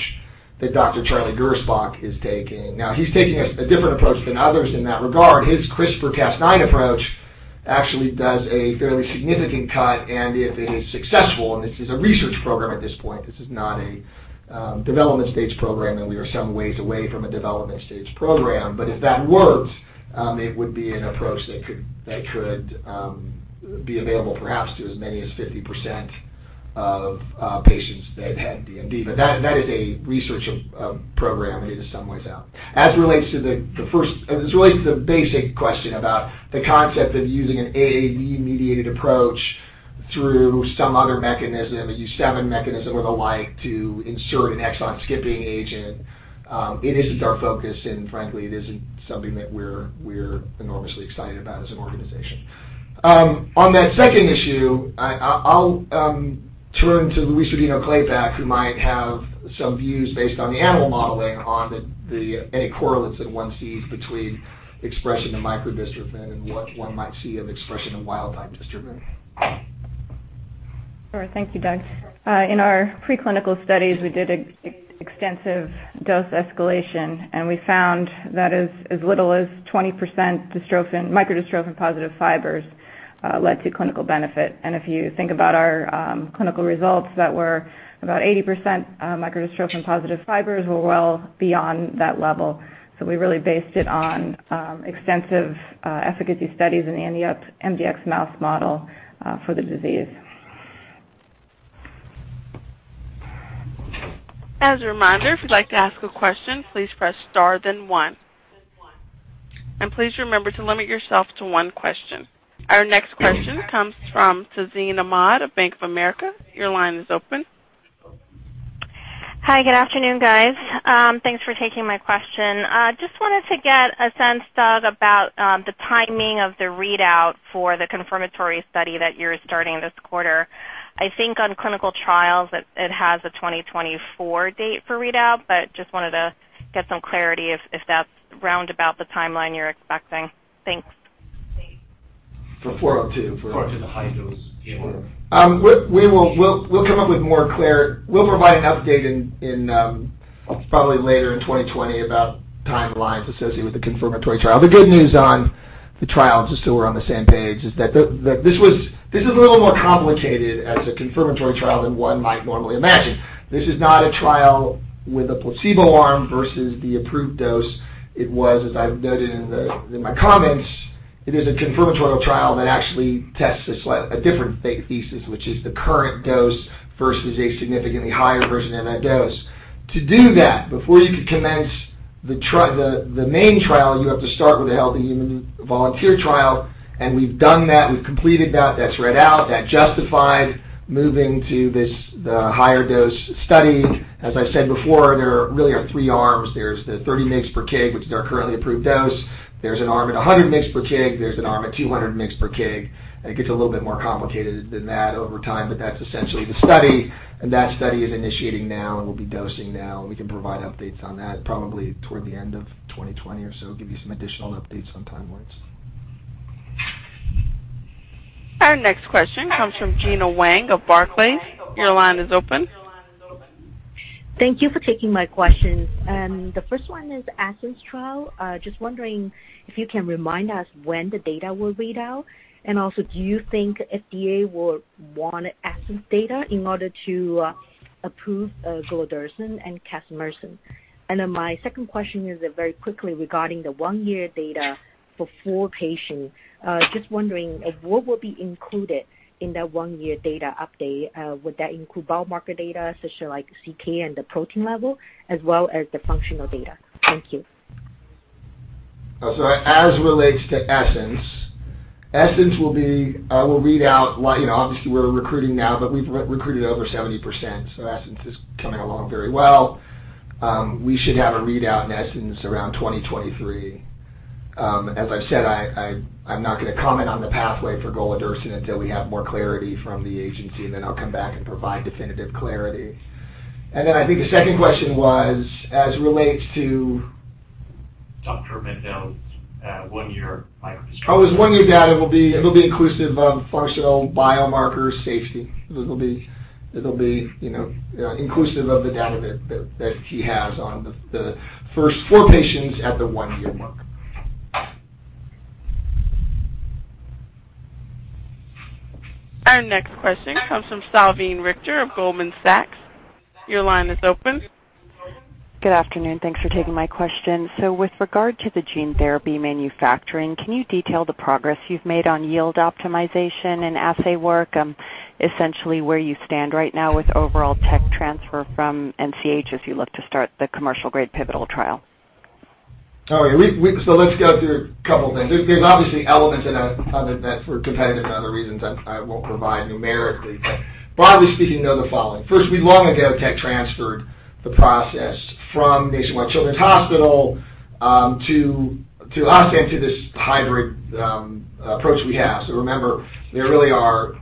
that Dr. Charlie Gersbach is taking. He's taking a different approach than others in that regard. His CRISPR-Cas9 approach actually does a fairly significant cut, and if it is successful, and this is a research program at this point, this is not a development stage program, and we are some ways away from a development stage program. If that worked, it would be an approach that could be available perhaps to as many as 50% of patients that had DMD. That is a research program, and it is some ways out. As it relates to the basic question about the concept of using an AAV-mediated approach through some other mechanism, a U7 mechanism or the like, to insert an exon skipping agent, it isn't our focus, and frankly, it isn't something that we're enormously excited about as an organization. On that second issue, I'll turn to Louise Rodino-Klapac, who might have some views based on the animal modeling on any correlates that one sees between expression of micro-dystrophin and what one might see of expression of wild type dystrophin. Sure. Thank you, Doug. In our pre-clinical studies, we did extensive dose escalation, we found that as little as 20% micro-dystrophin positive fibers led to clinical benefit. If you think about our clinical results, that were about 80% micro-dystrophin positive fibers were well beyond that level. We really based it on extensive efficacy studies in the mdx mouse model for the disease. As a reminder, if you'd like to ask a question, please press star then one. Please remember to limit yourself to one question. Our next question comes from Tazeen Ahmad of Bank of America. Your line is open. Hi, good afternoon, guys. Thanks for taking my question. Just wanted to get a sense, Doug, about the timing of the readout for the confirmatory study that you're starting this quarter. I think on clinical trials it has a 2024 date for readout, but just wanted to get some clarity if that's round about the timeline you're expecting. Thanks. For 402. 402, the high dose. Yeah. We'll provide an update probably later in 2020 about timelines associated with the confirmatory trial. The good news on the trial, just so we're on the same page, is that this is a little more complicated as a confirmatory trial than one might normally imagine. This is not a trial with a placebo arm versus the approved dose. It was, as I've noted in my comments, it is a confirmatory trial that actually tests a different thesis, which is the current dose versus a significantly higher version of that dose. To do that, before you could commence the main trial, you have to start with a healthy human volunteer trial. We've done that. We've completed that. That's read out. That justified moving to the higher dose study. As I said before, there really are three arms. There's the 30 mg/kg, which is our currently approved dose. There's an arm at 100 mg/kg. There's an arm at 200 mg/kg. It gets a little bit more complicated than that over time, but that's essentially the study. That study is initiating now, and we'll be dosing now, and we can provide updates on that probably toward the end of 2020 or so, give you some additional updates on timelines. Our next question comes from Gena Wang of Barclays. Your line is open. Thank you for taking my questions. The first one is ESSENCE trial. Just wondering if you can remind us when the data will read out, and also do you think FDA will want ESSENCE data in order to approve golodirsen and casimersen? My second question is very quickly regarding the one-year data for four patients. Just wondering what will be included in that one-year data update. Would that include biomarker data such as CK and the protein level as well as the functional data? Thank you. As relates to ESSENCE will read out. Obviously, we're recruiting now, but we've recruited over 70%, so ESSENCE is coming along very well. We should have a readout in ESSENCE around 2023. As I said, I'm not going to comment on the pathway for golodirsen until we have more clarity from the agency, then I'll come back and provide definitive clarity. Then I think the second question was as it relates to? Dr. Mendell's one-year micro-dystrophin His one-year data will be inclusive of functional biomarkers, safety. It'll be inclusive of the data that he has on the first four patients at the one-year mark. Our next question comes from Salveen Richter of Goldman Sachs. Your line is open. Good afternoon. Thanks for taking my question. With regard to the gene therapy manufacturing, can you detail the progress you've made on yield optimization and assay work, essentially where you stand right now with overall tech transfer from NCH as you look to start the commercial grade pivotal trial? Okay. Let's go through a couple of things. There's obviously elements in that for competitive and other reasons I won't provide numerically, but broadly speaking, know the following. First, we long ago tech transferred the process from Nationwide Children's Hospital to us and to this hybrid approach we have. Remember, there really are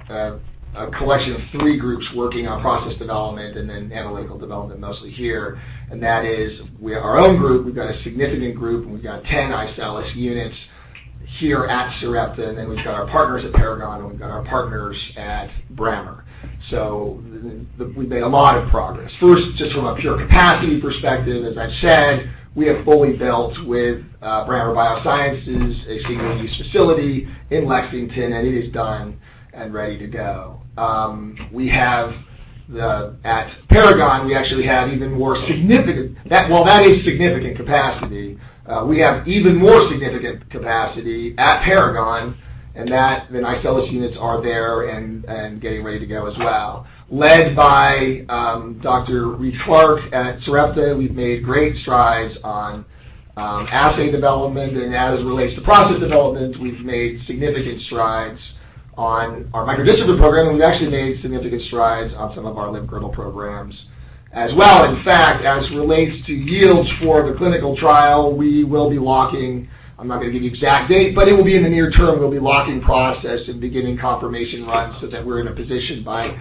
a collection of three groups working on process development, and then analytical development, mostly here. That is, we have our own group, we've got a significant group, and we've got 10 iCELLis units here at Sarepta, and then we've got our partners at Paragon, and we've got our partners at Brammer. We've made a lot of progress. First, just from a pure capacity perspective, as I said, we have fully built with Brammer Biosciences, a single-use facility in Lexington, and it is done and ready to go. At Paragon, we actually have even more significant capacity at Paragon, and the iCELLis units are there and getting ready to go as well. Led by Dr. Reed Clark at Sarepta, we've made great strides on assay development, and as it relates to process development, we've made significant strides on our micro-dystrophin program, and we've actually made significant strides on some of our limb-girdle programs as well. In fact, as it relates to yields for the clinical trial, we will be locking, I'm not going to give you exact date, but it will be in the near term. We'll be locking process and beginning confirmation runs so that we're in a position by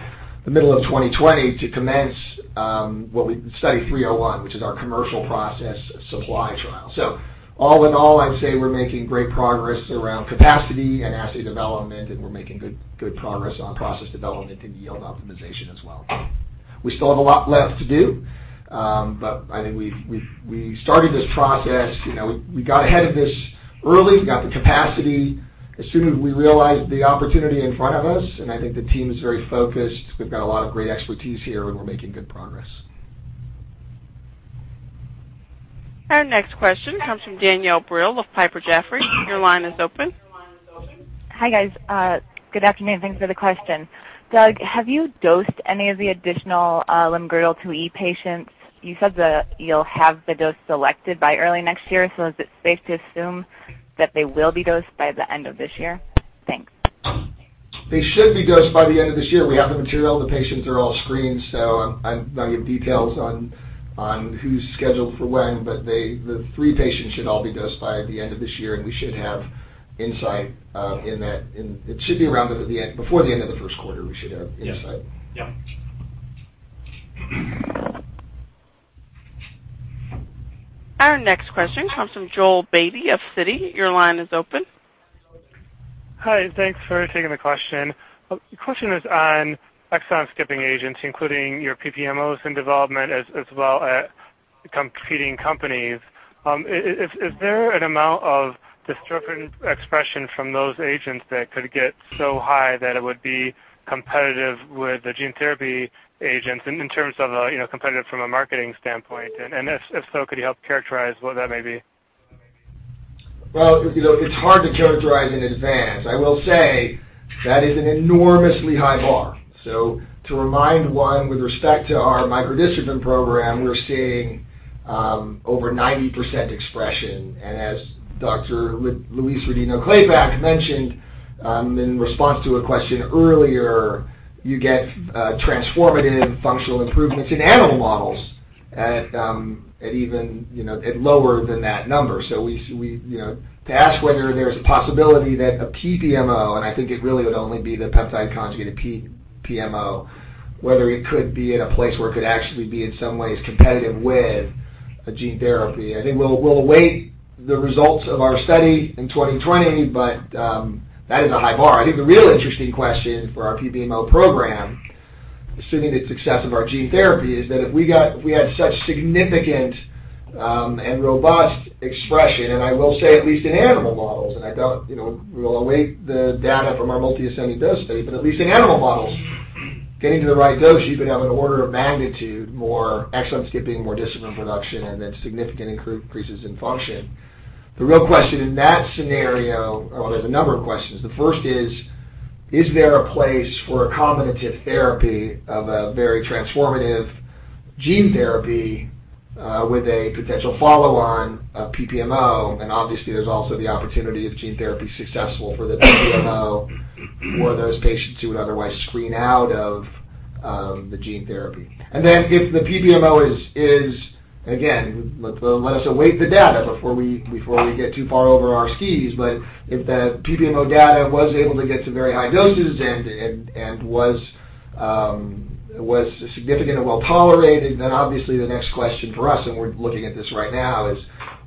the middle of 2020 to commence Study 301, which is our commercial process supply trial. All in all, I'd say we're making great progress around capacity and assay development, and we're making good progress on process development and yield optimization as well. We still have a lot left to do. I think we started this process, we got ahead of this early. We got the capacity as soon as we realized the opportunity in front of us, and I think the team is very focused. We've got a lot of great expertise here, and we're making good progress. Our next question comes from Danielle Brill of Piper Jaffray. Your line is open. Hi, guys. Good afternoon. Thanks for the question. Doug, have you dosed any of the additional limb-girdle 2E patients? You said that you'll have the dose selected by early next year, is it safe to assume that they will be dosed by the end of this year? Thanks. They should be dosed by the end of this year. We have the material. The patients are all screened. I'm not going to give details on who's scheduled for when, but the three patients should all be dosed by the end of this year, and we should have insight in that. It should be around before the end of the first quarter, we should have insight. Yep. Our next question comes from Joel Beatty of Citi. Your line is open. Hi, thanks for taking the question. The question is on exon-skipping agents, including your PPMOs in development, as well as competing companies. Is there an amount of dystrophin expression from those agents that could get so high that it would be competitive with the gene therapy agents in terms of competitive from a marketing standpoint? If so, could you help characterize what that may be? Well, it's hard to characterize in advance. I will say that is an enormously high bar. To remind one, with respect to our micro-dystrophin program, we're seeing over 90% expression. As Dr. Louise Rodino-Klapac mentioned in response to a question earlier, you get transformative functional improvements in animal models at lower than that number. To ask whether there's a possibility that a PPMO, and I think it really would only be the peptide conjugate, a PPMO, whether it could be at a place where it could actually be in some ways competitive with a gene therapy. I think we'll await the results of our study in 2020, that is a high bar. I think the real interesting question for our PPMO program, assuming the success of our gene therapy, is that if we had such significant and robust expression, and I will say at least in animal models, and we'll await the data from our multi-ascending dose study, but at least in animal models, getting to the right dose, you could have an order of magnitude, more exon skipping, more dystrophin production, and then significant increases in function. The real question in that scenario, well, there's a number of questions. The first is there a place for a combinative therapy of a very transformative gene therapy with a potential follow-on of PPMO? Obviously, there's also the opportunity of gene therapy successful for the PPMO for those patients who would otherwise screen out of the gene therapy. If the PPMO is, again, let us await the data before we get too far over our skis, but if the PPMO data was able to get to very high doses and was significantly well-tolerated, then obviously the next question for us, and we're looking at this right now, is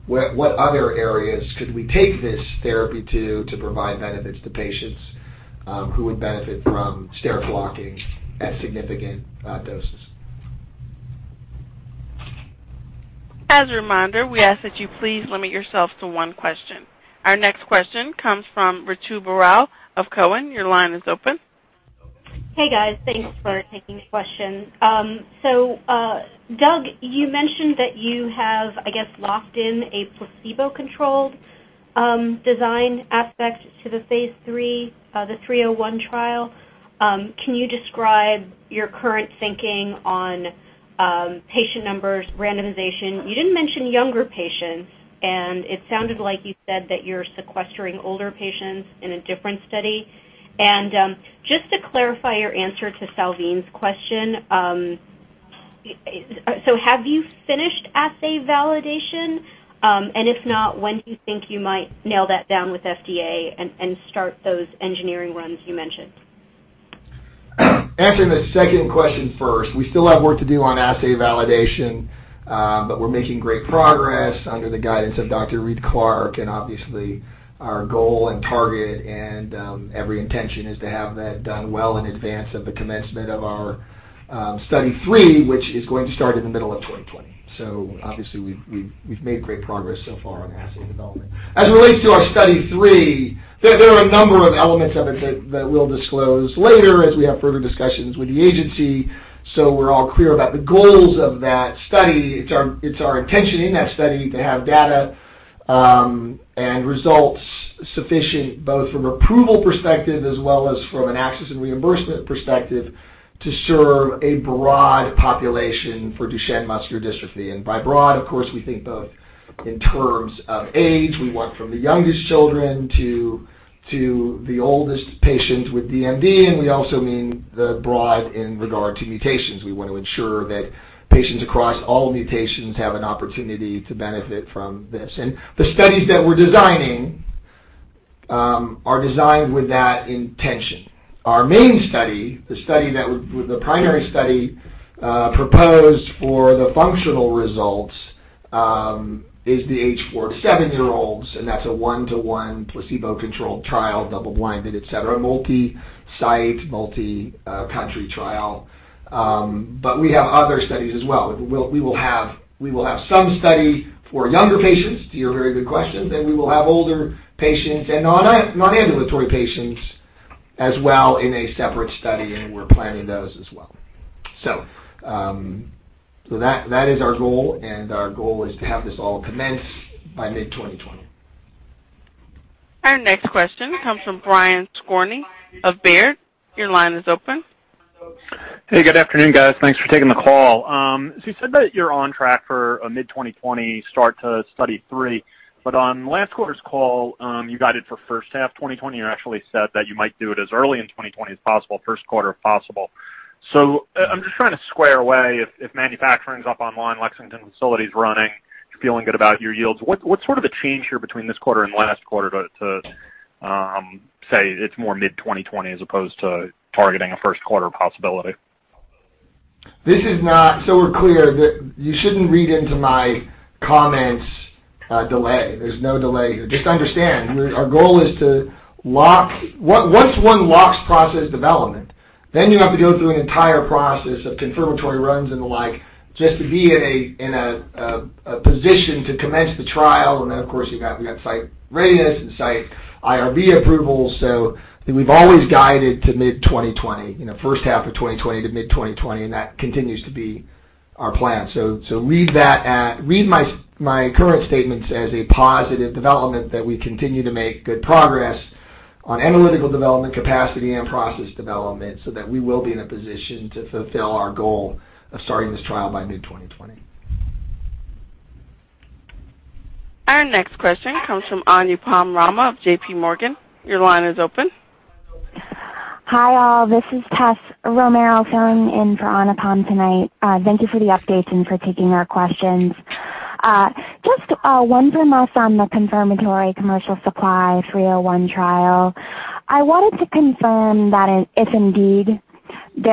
what other areas could we take this therapy to provide benefits to patients who would benefit from steric blocking at significant doses? As a reminder, we ask that you please limit yourself to one question. Our next question comes from Ritu Baral of Cowen. Your line is open. Hey, guys. Thanks for taking the question. Doug, you mentioned that you have, I guess, locked in a placebo-controlled design aspect to the phase III, the 301 trial. Can you describe your current thinking on patient numbers, randomization? You didn't mention younger patients, and it sounded like you said that you're sequestering older patients in a different study. Just to clarify your answer to Salveen's question, so have you finished assay validation? If not, when do you think you might nail that down with FDA and start those engineering runs you mentioned? Answering the second question first. We still have work to do on assay validation, but we're making great progress under the guidance of Dr. Reed Clark. Obviously, our goal and target and every intention is to have that done well in advance of the commencement of our Study 3, which is going to start in the middle of 2020. Obviously, we've made great progress so far on assay development. As it relates to our Study 3, there are a number of elements of it that we'll disclose later as we have further discussions with the agency. We're all clear about the goals of that study. It's our intention in that study to have data and results sufficient both from approval perspective as well as from an access and reimbursement perspective to serve a broad population for Duchenne muscular dystrophy. By broad, of course, we think both in terms of age. We want from the youngest children to the oldest patients with DMD, and we also mean the broad in regard to mutations. We want to ensure that patients across all mutations have an opportunity to benefit from this. The studies that we're designing are designed with that intention. Our main study, the primary study proposed for the functional results, is the age four to seven-year-olds, and that's a one-to-one placebo-controlled trial, double-blinded, et cetera, multi-site, multi-country trial. We have other studies as well. We will have some study for younger patients, to your very good question, then we will have older patients and non-ambulatory patients as well in a separate study, and we're planning those as well. That is our goal, and our goal is to have this all commence by mid-2020. Our next question comes from Brian Skorney of Baird. Your line is open. Hey, good afternoon, guys. Thanks for taking the call. You said that you're on track for a mid-2020 start to Study 3, but on last quarter's call, you guided for first half 2020. You actually said that you might do it as early in 2020 as possible, first quarter if possible. I'm just trying to square away if manufacturing's up online, Lexington facility's running, feeling good about your yields. What's sort of the change here between this quarter and last quarter to say it's more mid-2020 as opposed to targeting a first-quarter possibility? We're clear, you shouldn't read into my comments a delay. There's no delay here. Just understand, our goal is to lock, once one locks process development, then you have to go through an entire process of confirmatory runs and the like, just to be in a position to commence the trial. Then, of course, we've got site readiness and site IRB approvals. We've always guided to mid-2020, first half of 2020 to mid-2020, and that continues to be our plan. Read my current statements as a positive development that we continue to make good progress on analytical development capacity and process development so that we will be in a position to fulfill our goal of starting this trial by mid-2020. Our next question comes from Anupam Rama of JPMorgan. Your line is open. Hi, all. This is Tessa Romero filling in for Anupam tonight. Thank you for the updates and for taking our questions. Just one for most on the confirmatory commercial supply Study 301. I wanted to confirm that if indeed the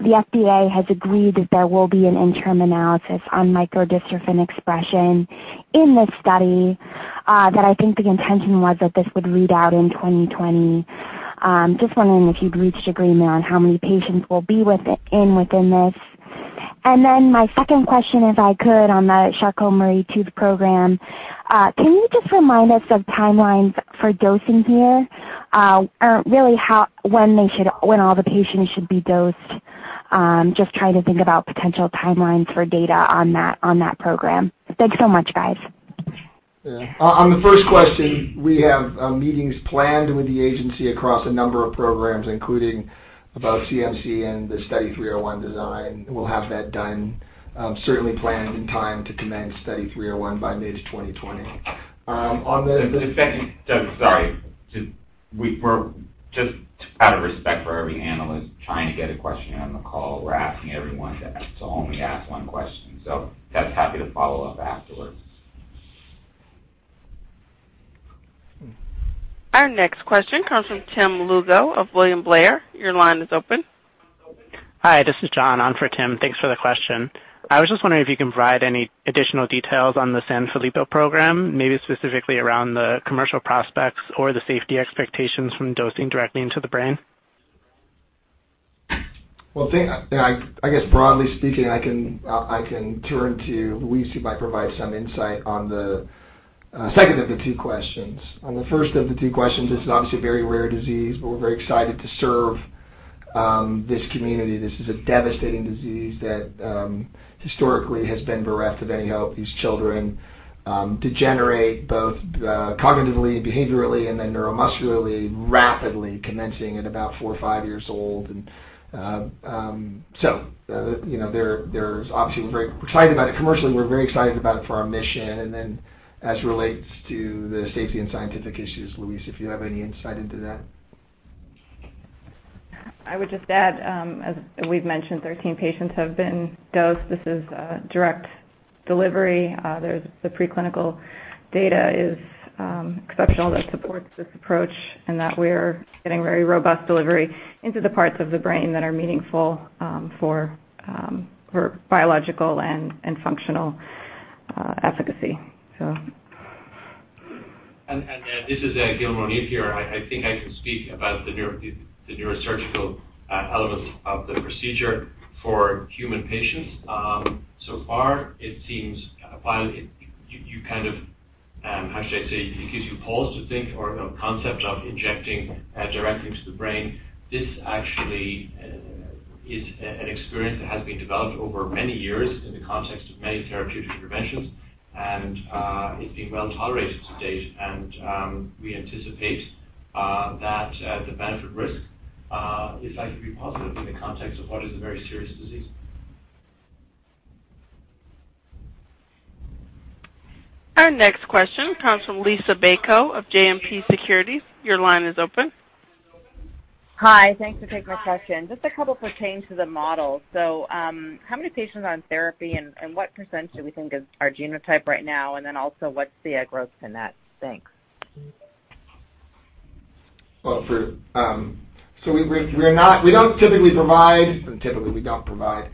FDA has agreed that there will be an interim analysis on micro-dystrophin expression in this study. That I think the intention was that this would read out in 2020. Just wondering if you've reached agreement on how many patients will be within this? My second question, if I could, on the Charcot-Marie-Tooth program, can you just remind us of timelines for dosing here? Really when all the patients should be dosed. Just trying to think about potential timelines for data on that program. Thanks so much, guys. Yeah. On the first question, we have meetings planned with the agency across a number of programs, including about CMC and the Study 301 design. We'll have that done, certainly planned in time to commence Study 301 by mid 2020. Tessa, sorry. Just out of respect for every analyst trying to get a question on the call, we're asking everyone to only ask one question, happy to follow up afterwards. Our next question comes from Tim Lugo of William Blair. Your line is open. Hi, this is John. I'm for Tim. Thanks for the question. I was just wondering if you can provide any additional details on the Sanfilippo program, maybe specifically around the commercial prospects or the safety expectations from dosing directly into the brain? Well, I guess broadly speaking, I can turn to Louise, who might provide some insight on the second of the two questions. On the first of the two questions, this is obviously a very rare disease, but we're very excited to serve this community. This is a devastating disease that historically has been bereft of any hope. These children degenerate both cognitively, behaviorally, and then neuromuscularly, rapidly commencing at about four or five years old. Obviously, we're very excited about it commercially, we're very excited about it for our mission. As it relates to the safety and scientific issues, Louise, if you have any insight into that? I would just add, as we've mentioned, 13 patients have been dosed. This is direct delivery. The pre-clinical data is exceptional that supports this approach, and that we're getting very robust delivery into the parts of the brain that are meaningful for biological and functional efficacy. This is Gilmore O'Neill here, I think I can speak about the neurosurgical element of the procedure for human patients. So far, it seems while you kind of, how should I say, it gives you pause to think or a concept of injecting directly into the brain. This actually is an experience that has been developed over many years in the context of many therapeutic interventions, and it's been well tolerated to date. We anticipate that the benefit-risk is likely to be positive in the context of what is a very serious disease. Our next question comes from Liisa Bayko of JMP Securities. Your line is open. Hi. Thanks for taking my question. Just a couple pertain to the model. How many patients are on therapy, and what percent do we think is our genotype right now? What's the growth in that? Thanks. Well, we don't typically provide, typically we don't provide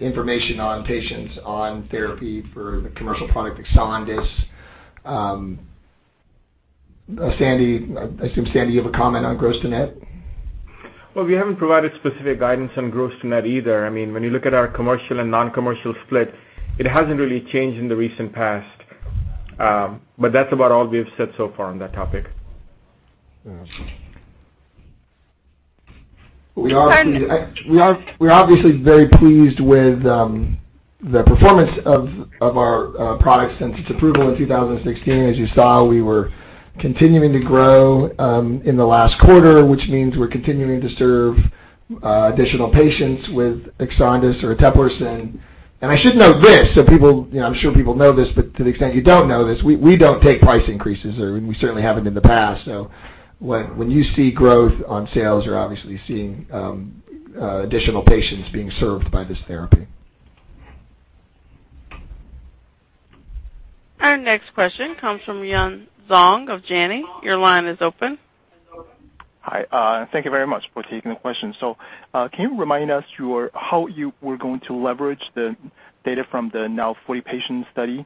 information on patients on therapy for the commercial product EXONDYS. I assume, Sandy, you have a comment on gross to net? Well, we haven't provided specific guidance on gross to net either. When you look at our commercial and non-commercial split, it hasn't really changed in the recent past. That's about all we've said so far on that topic. We're obviously very pleased with the performance of our product since its approval in 2016. As you saw, we were continuing to grow in the last quarter, which means we're continuing to serve additional patients with EXONDYS or eteplirsen. I should note this, so I'm sure people know this, but to the extent you don't know this, we don't take price increases, or we certainly haven't in the past. When you see growth on sales, you're obviously seeing additional patients being served by this therapy. Our next question comes from Yun Zhong of Janney. Your line is open. Hi. Thank you very much for taking the question. Can you remind us how you were going to leverage the data from the now 40-patient study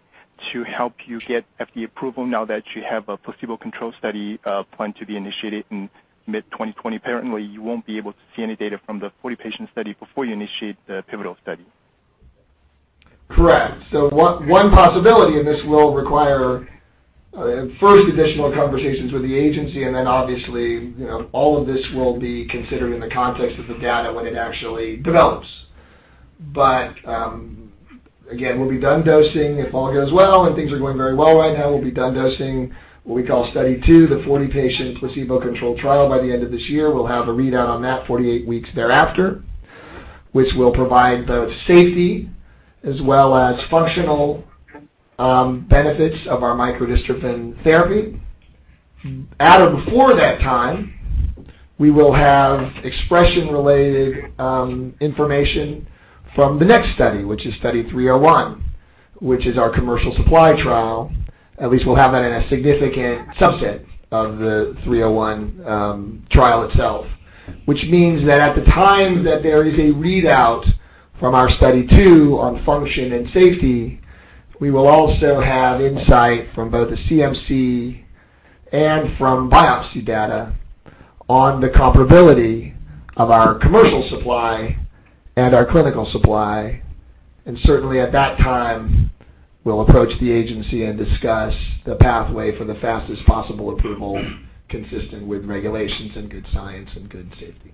to help you get FDA approval now that you have a placebo control study planned to be initiated in mid-2020? Apparently, you won't be able to see any data from the 40-patient study before you initiate the pivotal study. Correct. One possibility, and this will require first additional conversations with the agency, and then obviously, all of this will be considered in the context of the data when it actually develops. Again, we'll be done dosing if all goes well, and things are going very well right now. We'll be done dosing what we call Study 2, the 40-patient placebo-controlled trial, by the end of this year. We'll have a readout on that 48 weeks thereafter, which will provide both safety as well as functional benefits of our micro-dystrophin therapy. At or before that time, we will have expression-related information from the next study, which is Study 301, which is our commercial supply trial. At least we'll have that in a significant subset of the Study 301 itself, which means that at the time that there is a readout from our Study 2 on function and safety, we will also have insight from both the CMC and from biopsy data on the comparability of our commercial supply and our clinical supply. Certainly at that time, we'll approach the agency and discuss the pathway for the fastest possible approval consistent with regulations and good science and good safety.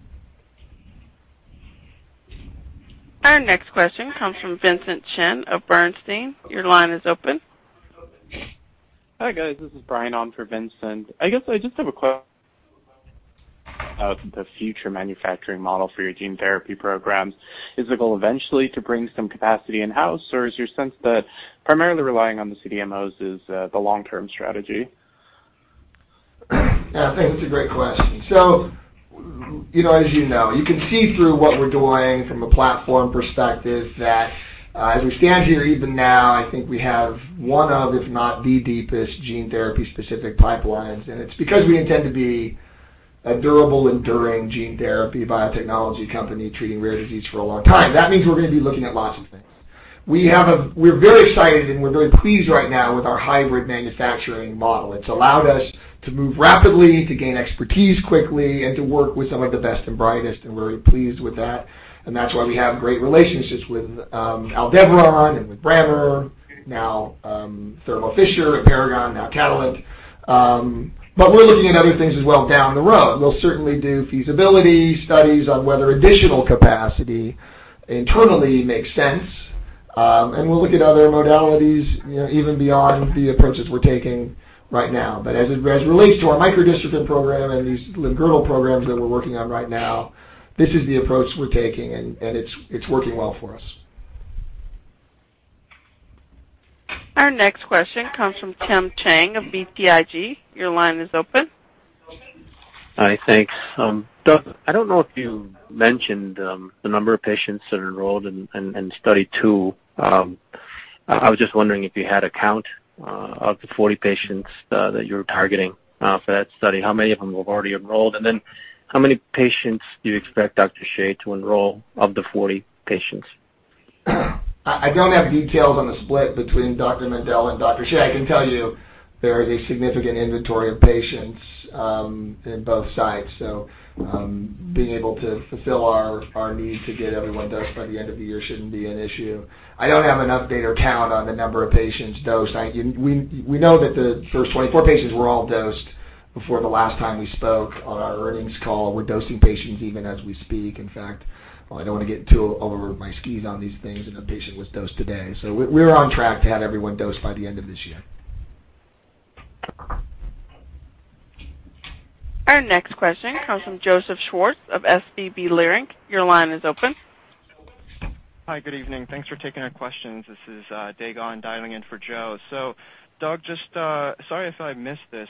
Our next question comes from Vincent Chen of Bernstein. Your line is open. Hi, guys. This is Brian on for Vincent. I guess I just have a question about the future manufacturing model for your gene therapy programs. Is the goal eventually to bring some capacity in-house, or is your sense that primarily relying on the CDMOs is the long-term strategy? Yeah, I think that's a great question. As you know, you can see through what we're doing from a platform perspective that as we stand here even now, I think we have one of, if not the deepest, gene therapy specific pipelines and it's because we intend to be a durable, enduring gene therapy biotechnology company treating rare disease for a long time. That means we're going to be looking at lots of things. We're very excited and we're very pleased right now with our hybrid manufacturing model. It's allowed us to move rapidly, to gain expertise quickly, and to work with some of the best and brightest, and we're very pleased with that, and that's why we have great relationships with Aldevron and with Brammer, now Thermo Fisher at Paragon, now Catalent. We're looking at other things as well down the road. We'll certainly do feasibility studies on whether additional capacity internally makes sense. We'll look at other modalities even beyond the approaches we're taking right now. As it relates to our micro-dystrophin program and these limb-girdle programs that we're working on right now, this is the approach we're taking, and it's working well for us. Our next question comes from Tim Chiang of BTIG. Your line is open. Hi, thanks. Doug, I don't know if you mentioned the number of patients that are enrolled in Study 2. I was just wondering if you had a count of the 40 patients that you're targeting for that study. How many of them have already enrolled, and then how many patients do you expect Dr. Shieh to enroll of the 40 patients? I don't have details on the split between Dr. Mendell and Dr. Shieh. I can tell you there is a significant inventory of patients in both sites. Being able to fulfill our need to get everyone dosed by the end of the year shouldn't be an issue. I don't have an update or count on the number of patients dosed. We know that the first 24 patients were all dosed before the last time we spoke on our earnings call. We're dosing patients even as we speak. In fact, while I don't want to get too over my skis on these things, a patient was dosed today. We're on track to have everyone dosed by the end of this year. Our next question comes from Joseph Schwartz of SVB Leerink. Your line is open. Hi, good evening. Thanks for taking our questions. This is Dae Gon dialing in for Joe. Doug, sorry if I missed this.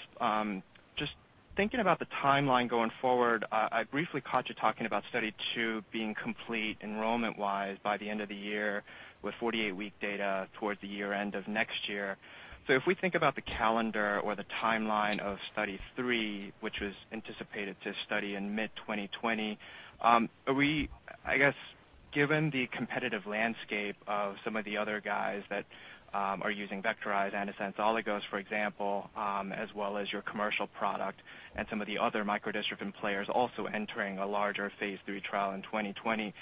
Just thinking about the timeline going forward, I briefly caught you talking about Study 2 being complete enrollment-wise by the end of the year, with 48-week data towards the year-end of next year. If we think about the calendar or the timeline of Study 3, which was anticipated to study in mid 2020. I guess, given the competitive landscape of some of the other guys that are using vectorized antisense oligos, for example, as well as your commercial product and some of the other micro-dystrophin players also entering a larger phase III trial in 2020,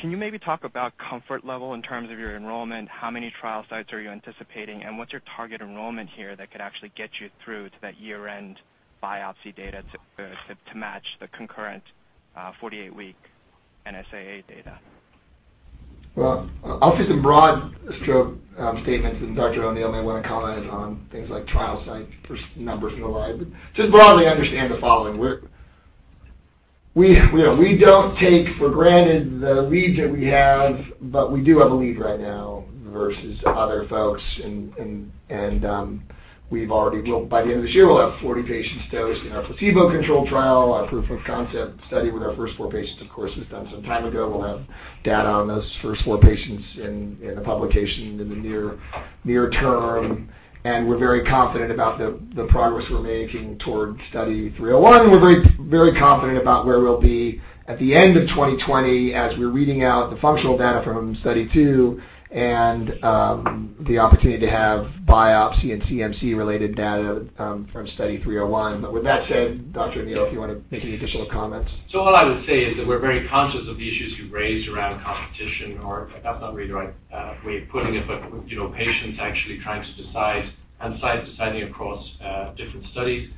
can you maybe talk about comfort level in terms of your enrollment? How many trial sites are you anticipating, and what's your target enrollment here that could actually get you through to that year-end biopsy data to match the concurrent 48-week NSAA data? Well, I'll say some broad stroke statements, and Dr. O'Neill may want to comment on things like trial site numbers and the like. Just broadly understand the following. We don't take for granted the lead that we have, but we do have a lead right now versus other folks, and by the end of this year, we'll have 40 patients dosed in our placebo-controlled trial, our proof of concept study with our first four patients, of course, was done some time ago. We'll have data on those first four patients in a publication in the near term, and we're very confident about the progress we're making toward Study 301. We're very confident about where we'll be at the end of 2020 as we're reading out the functional data from Study 2 and the opportunity to have biopsy and CMC related data from Study 301. With that said, Dr. O'Neill, if you want to make any additional comments. All I would say is that we're very conscious of the issues you've raised around competition, or that's not really the right way of putting it, but patients actually trying to decide and sites deciding across different studies.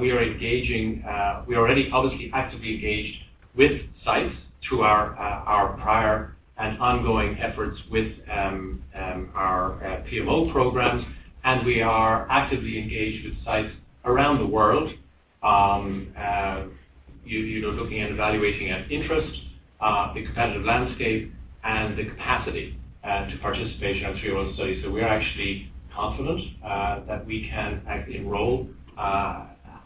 We are already publicly, actively engaged with sites through our prior and ongoing efforts with our PMO programs, and we are actively engaged with sites around the world, looking and evaluating at interest, the competitive landscape, and the capacity to participate in our 301 study. We are actually confident that we can enroll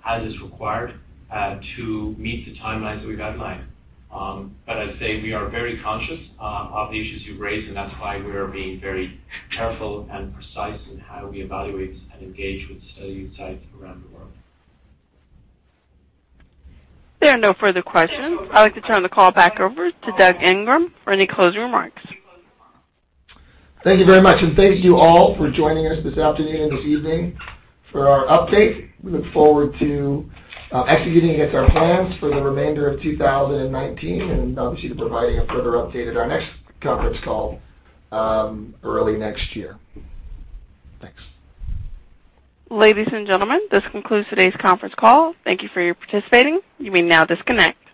as is required to meet the timelines that we've outlined. I'd say we are very conscious of the issues you've raised, and that's why we are being very careful and precise in how we evaluate and engage with study sites around the world. There are no further questions. I'd like to turn the call back over to Doug Ingram for any closing remarks. Thank you very much. Thank you all for joining us this afternoon and this evening for our update. We look forward to executing against our plans for the remainder of 2019 and obviously to providing a further update at our next conference call early next year. Thanks. Ladies and gentlemen, this concludes today's conference call. Thank you for your participating. You may now disconnect.